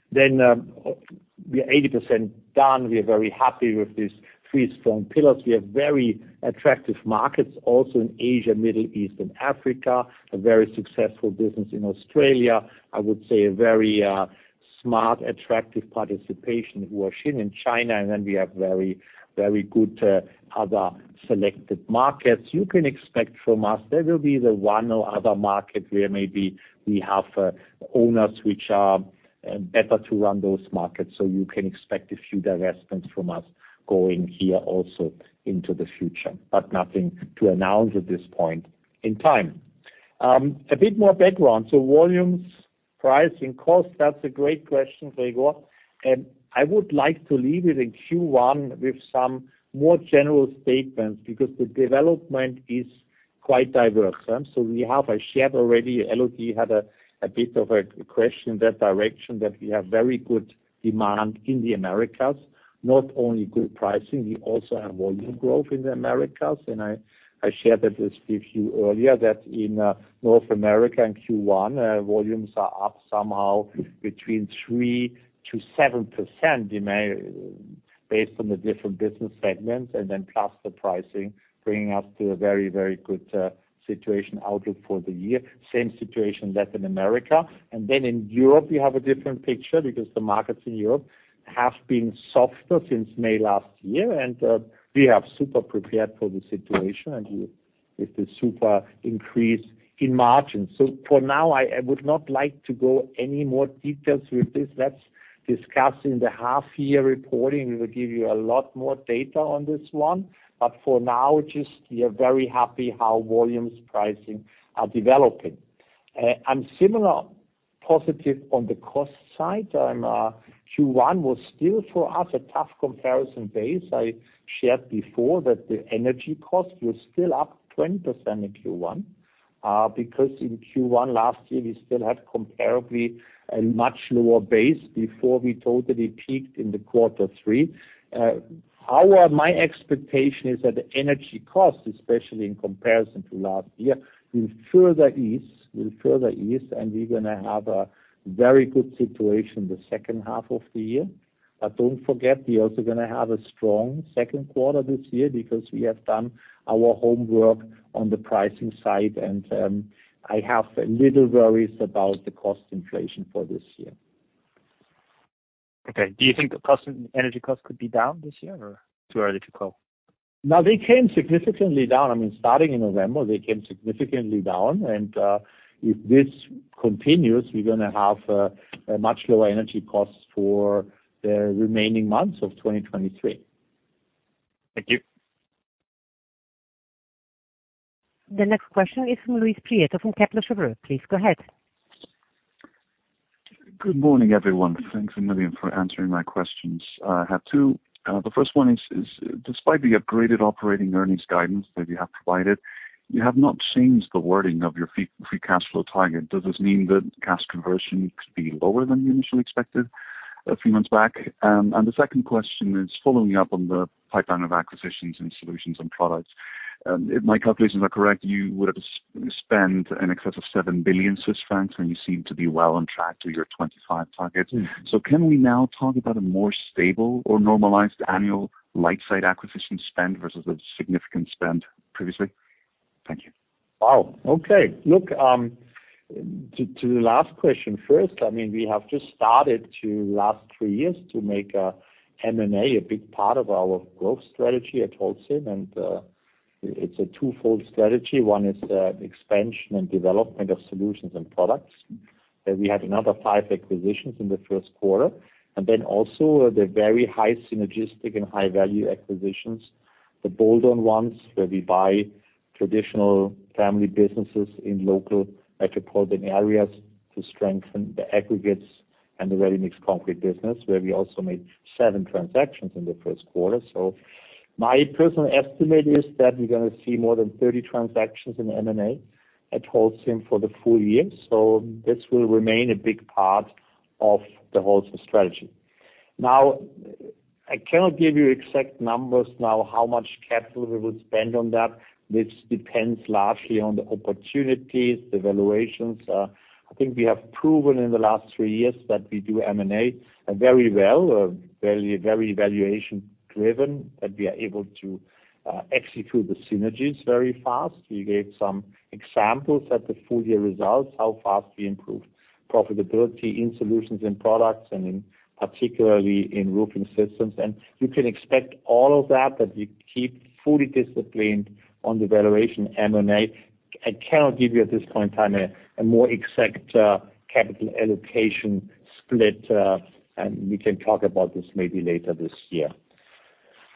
We are 80% done. We are very happy with these three strong pillars. We have very attractive markets also in Asia, Middle East, and Africa, a very successful business in Australia. I would say a very smart, attractive participation in Washington and China. We have very, very good other selected markets. You can expect from us. There will be the one or other market where maybe we have owners which are better to run those markets, so you can expect a few divestments from us going here also into the future, but nothing to announce at this point in time. A bit more background. Volumes, pricing, cost, that's a great question, Gregor. I would like to leave it in Q1 with some more general statements because the development is quite diverse. We have, I shared already, Elodie had a bit of a question in that direction, that we have very good demand in the Americas. I shared that with you earlier that in North America in Q1, volumes are up somehow between 3%-7% demand based on the different business segments. Plus the pricing, bringing us to a very, very good situation outlook for the year. Same situation Latin America. In Europe, we have a different picture because the markets in Europe have been softer since May last year, we have super prepared for the situation, with the super increase in margins. For now, I would not like to go any more details with this. Let's discuss in the half-year reporting. We will give you a lot more data on this one. For now, just we are very happy how volumes pricing are developing. I'm similar positive on the cost side. Q1 was still for us a tough comparison base. I shared before that the energy cost was still up 20% in Q1, because in Q1 last year, we still had comparably a much lower base before we totally peaked in the Q3. My expectation is that energy costs, especially in comparison to last year, will further ease, and we're gonna have a very good situation the second half of the year. Don't forget, we're also going to have a strong second quarter this year because we have done our homework on the pricing side, and I have little worries about the cost inflation for this year. Okay. Do you think the cost, energy cost could be down this year or too early to call? No, they came significantly down. I mean, starting in November, they came significantly down. If this continues, we're gonna have a much lower energy cost for the remaining months of 2023. Thank you. The next question is from Luis Prieto from Kepler Cheuvreux. Please go ahead. Good morning, everyone. Thanks a million for answering my questions. I have two. The first one is, despite the upgraded operating earnings guidance that you have provided, you have not changed the wording of your fee-free cash flow target. Does this mean that cash conversion could be lower than you initially expected a few months back? The second question is following up on the pipeline of acquisitions and Solutions & Products. If my calculations are correct, you would have spent in excess of 7 billion Swiss francs, and you seem to be well on track to your 25 target. Can we now talk about a more stable or normalized annual light side acquisition spend versus a significant spend previously? Thank you. Wow. Okay. Look, to the last question first. I mean, we have just started to last three years to make M&A a big part of our growth strategy at Holcim. It's a twofold strategy. One is the expansion and development of Solutions & Products. We had another five acquisitions in the first quarter. Also the very high synergistic and high-value acquisitions, the bolt-on ones, where we buy traditional family businesses in local metropolitan areas to strengthen the aggregates and the ready-mix concrete business, where we also made seven transactions in the first quarter. My personal estimate is that we're gonna see more than 30 transactions in M&A at Holcim for the full year. This will remain a big part of the Holcim strategy. Now, I cannot give you exact numbers now how much capital we will spend on that. This depends largely on the opportunities, the valuations. I think we have proven in the last three years that we do M&A very well, very, very valuation-driven, that we are able to execute the synergies very fast. We gave some examples at the full year results, how fast we improved profitability in Solutions & Products and in, particularly in roofing systems. You can expect all of that we keep fully disciplined on the valuation M&A. I cannot give you at this point in time a more exact capital allocation split, and we can talk about this maybe later this year.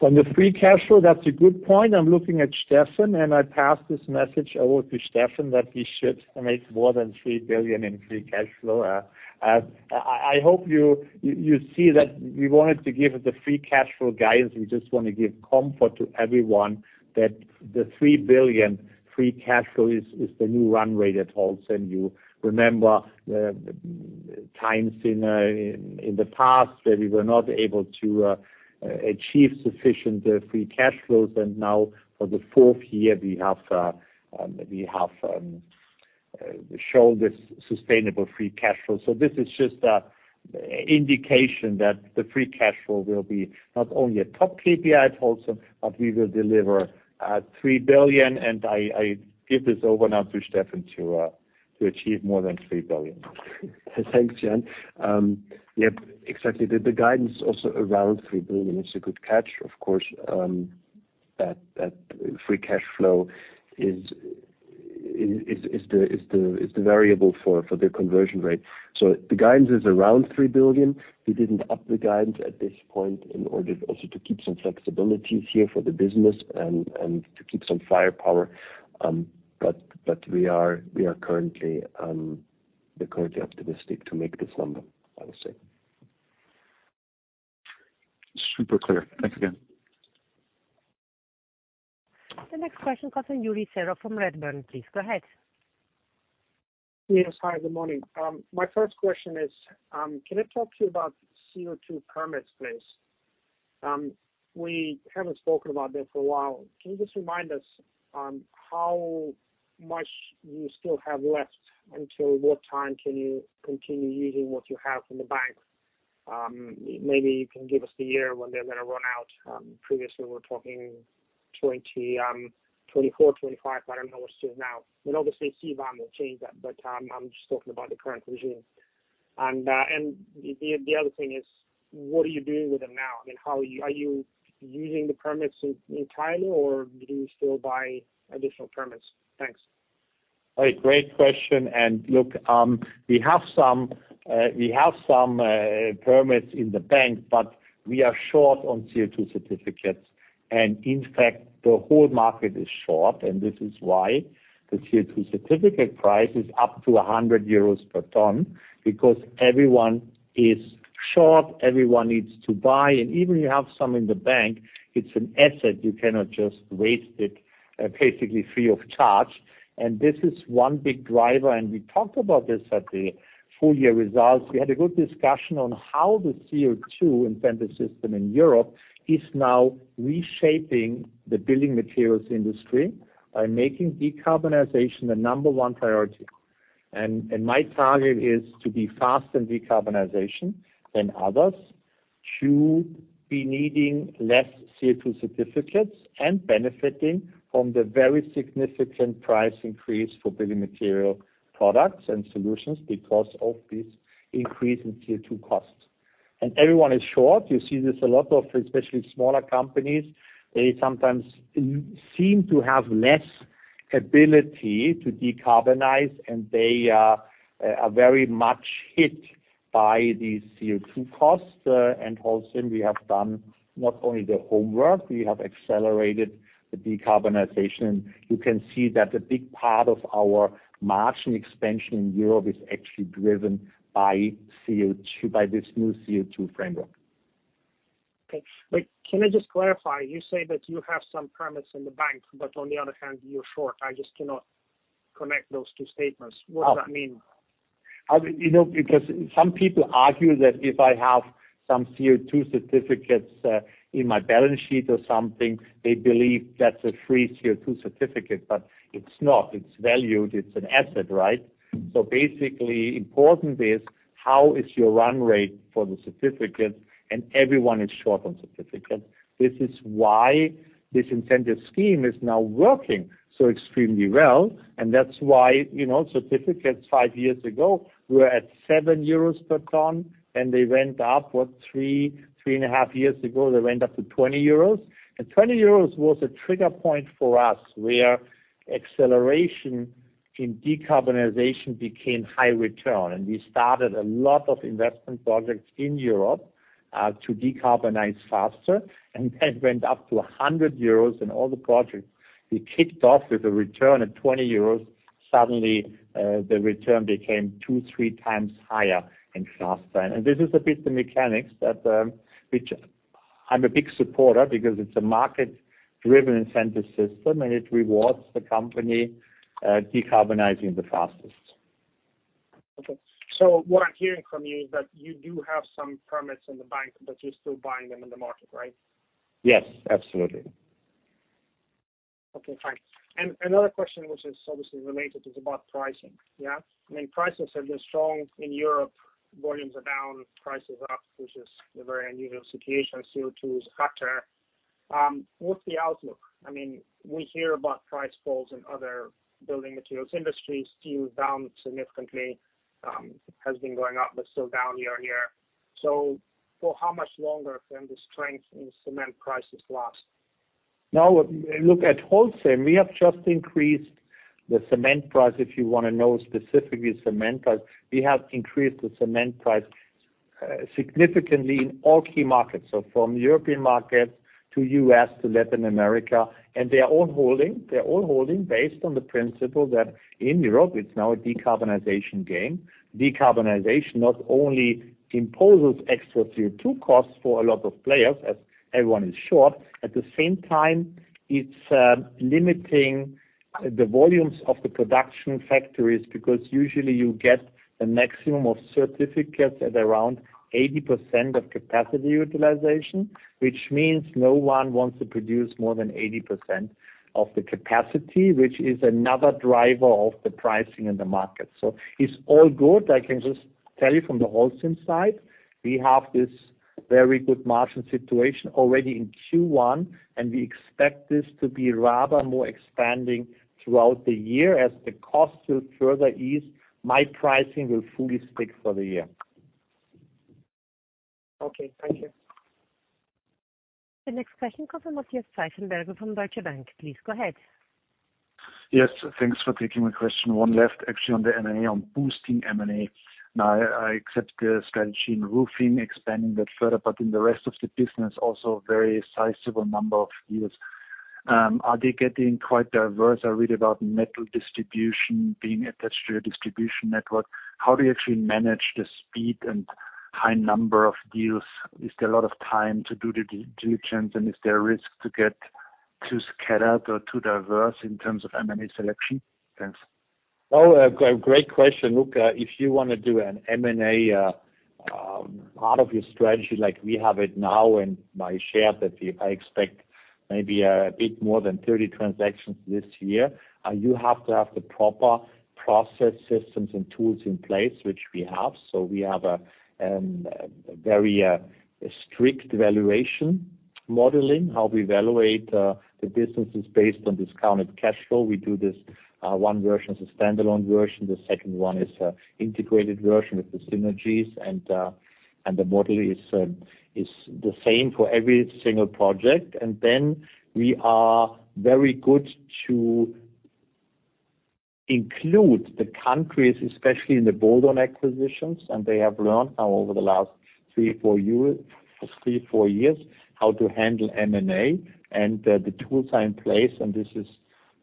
On the free cash flow, that's a good point. I'm looking at Steffen, and I pass this message over to Steffen, that we should make more than 3 billion in free cash flow. I hope you see that we wanted to give the free cash flow guidance. We just wanna give comfort to everyone that the 3 billion free cash flow is the new run rate at Holcim. You remember times in the past where we were not able to achieve sufficient free cash flows, and now for the fourth year, we have we have shown this sustainable free cash flow. This is just an indication that the free cash flow will be not only a top KPI at Holcim, but we will deliver 3 billion. I give this over now to Steffen to achieve more than 3 billion. Thanks, Jan. Yep, exactly. The guidance also around 3 billion. It's a good catch, of course, that free cash flow is the variable for the conversion rate. The guidance is around 3 billion. We didn't up the guidance at this point in order also to keep some flexibilities here for the business and to keep some firepower, but we are currently optimistic to make this number, I would say. Super clear. Thanks again. The next question comes from Yuri Serov from Redburn. Please go ahead. Yes. Hi, good morning. My first question is, can I talk to you about CO2 permits, please? We haven't spoken about that for a while. Can you just remind us on how much you still have left? Until what time can you continue using what you have in the bank? Maybe you can give us the year when they're gonna run out. Previously we're talking 2020, 2024, 2025. I don't know what it is now. Obviously CBAM will change that, but I'm just talking about the current regime. The other thing is what are you doing with them now? I mean, are you using the permits entirely, or do you still buy additional permits? Thanks. A great question. Look, we have some, we have some permits in the bank, but we are short on CO2 certificates. In fact, the whole market is short, and this is why the CO2 certificate price is up to 100 euros per ton, because everyone is short, everyone needs to buy. Even you have some in the bank, it's an asset, you cannot just waste it, basically free of charge. This is one big driver, and we talked about this at the full year results. We had a good discussion on how the CO2 incentive system in Europe is now reshaping the building materials industry and making decarbonization the number one priority. My target is to be faster in decarbonization than others, to be needing less CO2 certificates, and benefiting from the very significant price increase for building material products and solutions because of this increase in CO2 costs. Everyone is short. You see this a lot of, especially smaller companies, they sometimes seem to have less ability to decarbonize, and they are very much hit by these CO2 costs. Holcim, we have done not only the homework, we have accelerated the decarbonization. You can see that a big part of our margin expansion in Europe is actually driven by CO2, by this new CO2 framework. Okay. Wait, can I just clarify? You say that you have some permits in the bank, but on the other hand you're short. I just cannot connect those two statements. What does that mean? I mean, you know, because some people argue that if I have some CO2 certificates in my balance sheet or something, they believe that's a free CO2 certificate, but it's not. It's valued. It's an asset, right? Basically important is how is your run rate for the certificates. Everyone is short on certificates. This is why this incentive scheme is now working so extremely well. That's why, you know, certificates five years ago were at 7 euros per ton. They went up, what, three and a half years ago, they went up to 20 euros. 20 euros was a trigger point for us, where acceleration in decarbonization became high return. We started a lot of investment projects in Europe to decarbonize faster. That went up to 100 euros and all the projects we kicked off with a return of 20 euros, suddenly, the return became two, three times higher and faster. This is a bit the mechanics that, which I'm a big supporter because it's a market-driven incentive system, and it rewards the company, decarbonizing the fastest. What I'm hearing from you is that you do have some permits in the bank, but you're still buying them in the market, right? Yes, absolutely. Okay, fine. Another question which is obviously related is about pricing. Yeah. I mean, prices have been strong in Europe, volumes are down, prices up, which is a very unusual situation. CO2 is higher. What's the outlook? I mean, we hear about price falls in other building materials industries. Steel's down significantly, has been going up, but still down year-on-year. For how much longer can the strength in cement prices last? Now look at Holcim. We have just increased the cement price. If you want to know specifically cement price, we have increased the cement price significantly in all key markets. From European markets to U.S. to Latin America, and they are all holding, they're all holding based on the principle that in Europe it's now a decarbonization game. Decarbonization not only imposes extra CO2 costs for a lot of players, as everyone is short, at the same time, it's limiting the volumes of the production factories, because usually you get a maximum of certificates at around 80% of capacity utilization, which means no one wants to produce more than 80% of the capacity, which is another driver of the pricing in the market. It's all good. I can just tell you from the Holcim side, we have this very good margin situation already in Q1. We expect this to be rather more expanding throughout the year. As the costs will further ease, my pricing will fully stick for the year. Okay, thank you. The next question comes from Matthias Pfeifenberger from Deutsche Bank. Please go ahead. Yes, thanks for taking my question. One left actually on the M&A, on boosting M&A. Now, I accept the Strategy in roofing, expanding that further. In the rest of the business, also very sizable number of years, are they getting quite diverse? I read about metal distribution being attached to a distribution network. How do you actually manage the speed and high number of deals? Is there a lot of time to do the due diligence, and is there a risk to get too scattered or too diverse in terms of M&A selection? Thanks. Oh, a great question. Look, if you want to do an M&A part of your strategy like we have it now, and I shared that I expect maybe a bit more than 30 transactions this year, you have to have the proper process systems and tools in place, which we have. We have a very strict valuation modeling, how we evaluate the businesses based on discounted cash flow. We do this, one version is a standalone version, the second one is an integrated version with the synergies. The model is the same for every single project. We are very good to include the countries, especially in the bolt-on acquisitions. They have learned now over the last three, four years, how to handle M&A and the tools are in place and this is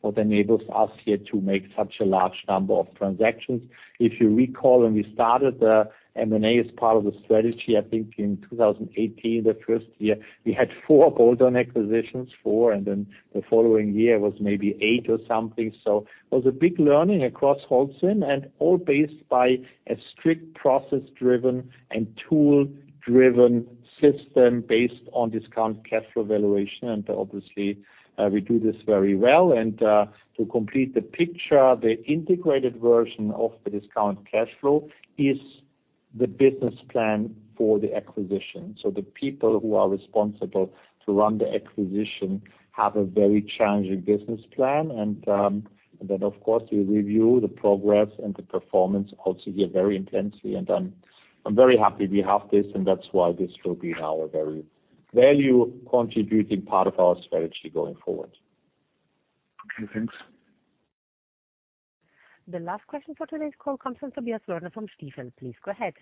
what enables us here to make such a large number of transactions. If you recall, when we started the M&A as part of the strategy, I think in 2018, the first year, we had four bolt-on acquisitions, and then the following year was maybe eight or something. It was a big learning across Holcim and all based by a strict process-driven and tool-driven system based on discounted cash flow valuation. Obviously, we do this very well. To complete the picture, the integrated version of the discounted cash flow is the business plan for the acquisition. The people who are responsible to run the acquisition have a very challenging business plan. Then of course, we review the progress and the performance also here very intensely. I'm very happy we have this, and that's why this will be now a very value contributing part of our strategy going forward. Okay, thanks. The last question for today's call comes from Tobias Woerner from Stifel. Please go ahead.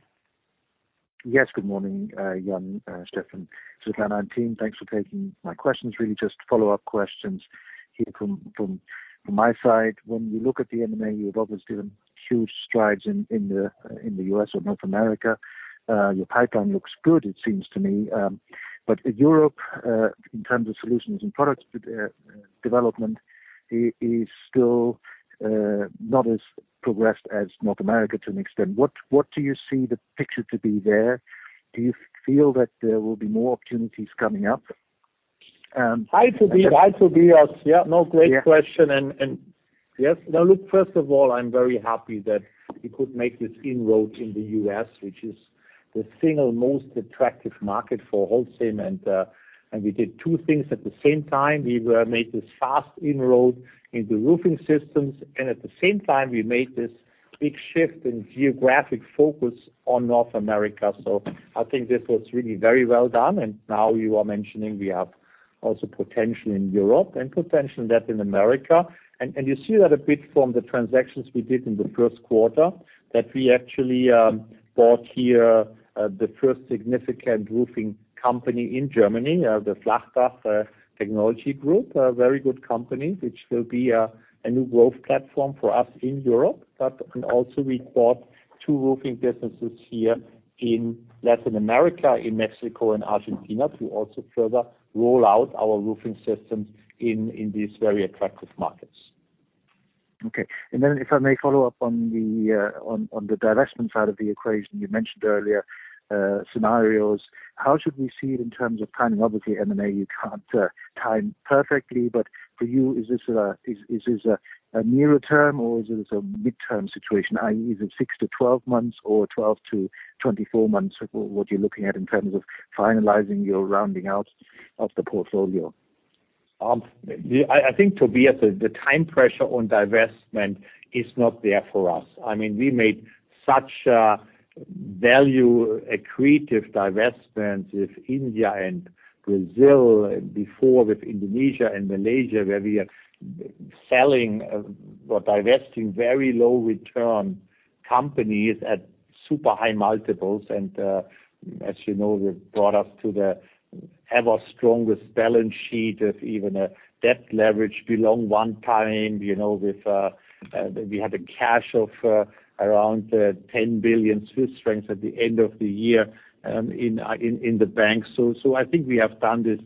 Yes. Good morning, Jan, Steffen, Sutcliffe and team. Thanks for taking my questions. Really just follow-up questions here from my side. When we look at the M&A, you have obviously done huge strides in the U.S. or North America. Your pipeline looks good, it seems to me. Europe, in terms of Solutions & Products, development is still not as progressed as North America to an extent. What do you see the picture to be there? Do you feel that there will be more opportunities coming up? Hi, Tobias. Yeah. No, great question. Yeah. Yes. Now look, first of all, I'm very happy that we could make this inroad in the U.S., which is the single most attractive market for Holcim. We did two things at the same time. We made this fast inroad into roofing systems, and at the same time we made this big shift in geographic focus on North America. I think this was really very well done. Now you are mentioning we have also potential in Europe and potential in Latin America. You see that a bit from the transactions we did in the first quarter, that we actually bought here the first significant roofing company in Germany, the Flachdach Technology Group, a very good company, which will be a new growth platform for us in Europe. Also we bought two roofing businesses here in Latin America, in Mexico and Argentina, to also further roll out our roofing systems in these very attractive markets. Okay. Then if I may follow up on the divestment side of the equation. You mentioned earlier, scenarios. How should we see it in terms of timing? Obviously, M&A, you can't time perfectly, but for you, is this a nearer term or is this a midterm situation, i.e., is it six to 12 months or 12-24 months of what you're looking at in terms of finalizing your rounding out of the portfolio? Yeah, I think, Tobias, the time pressure on divestment is not there for us. I mean, we made such a value accretive divestment with India and Brazil and before with Indonesia and Malaysia, where we are selling or divesting very low return companies at super high multiples. As you know, they've brought us to the ever strongest balance sheet of even a debt leverage below one time, you know, with, we had a cash of around 10 billion Swiss francs at the end of the year in the bank. I think we have done this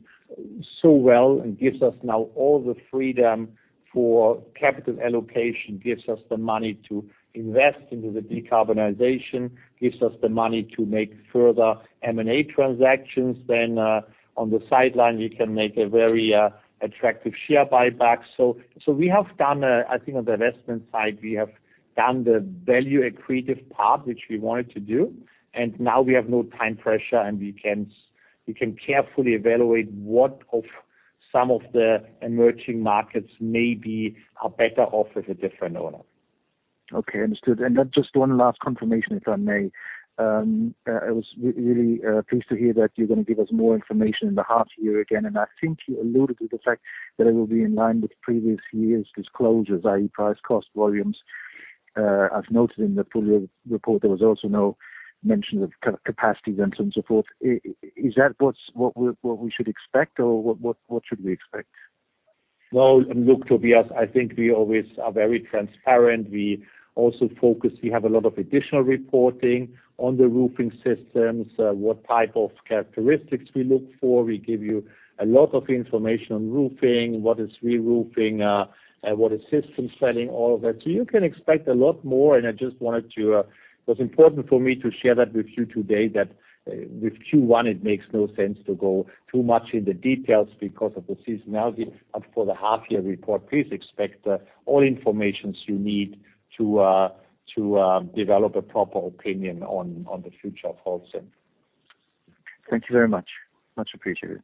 so well and gives us now all the freedom for capital allocation, gives us the money to invest into the decarbonization, gives us the money to make further M&A transactions. On the sideline, we can make a very attractive share buyback. We have done, I think on the investment side, we have done the value accretive part, which we wanted to do, and now we have no time pressure, and we can carefully evaluate what of some of the emerging markets maybe are better off with a different owner. Okay, understood. Just one last confirmation, if I may. I was really pleased to hear that you're gonna give us more information in the half year again, and I think you alluded to the fact that it will be in line with previous years' disclosures, i.e., price, cost, volumes. As noted in the full report, there was also no mention of capacities and so forth. Is that what's, what we're, what we should expect, or what should we expect? Well, look, Tobias, I think we always are very transparent. We also focus. We have a lot of additional reporting on the roofing systems, what type of characteristics we look for. We give you a lot of information on roofing, what is reroofing, what is system selling, all of that. You can expect a lot more, and I just wanted to share that with you today that with Q1, it makes no sense to go too much in the details because of the seasonality. For the half year report, please expect all informations you need to develop a proper opinion on the future of Holcim. Thank you very much. Much appreciated.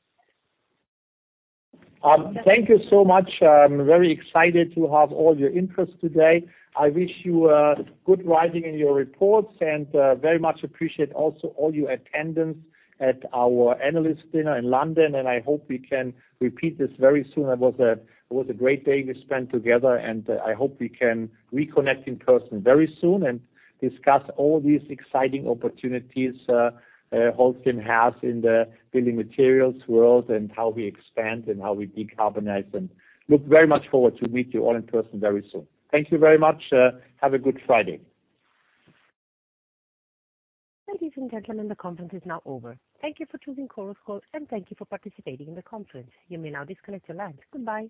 Thank you so much. I'm very excited to have all your interest today. I wish you good writing in your reports and very much appreciate also all your attendance at our analyst dinner in London, and I hope we can repeat this very soon. It was a great day we spent together, and I hope we can reconnect in person very soon and discuss all these exciting opportunities Holcim has in the building materials world and how we expand and how we decarbonize. Look very much forward to meet you all in person very soon. Thank you very much. Have a good Friday. Ladies and gentlemen, the conference is now over. Thank you for choosing Chorus Call, thank you for participating in the conference. You may now disconnect your lines. Goodbye.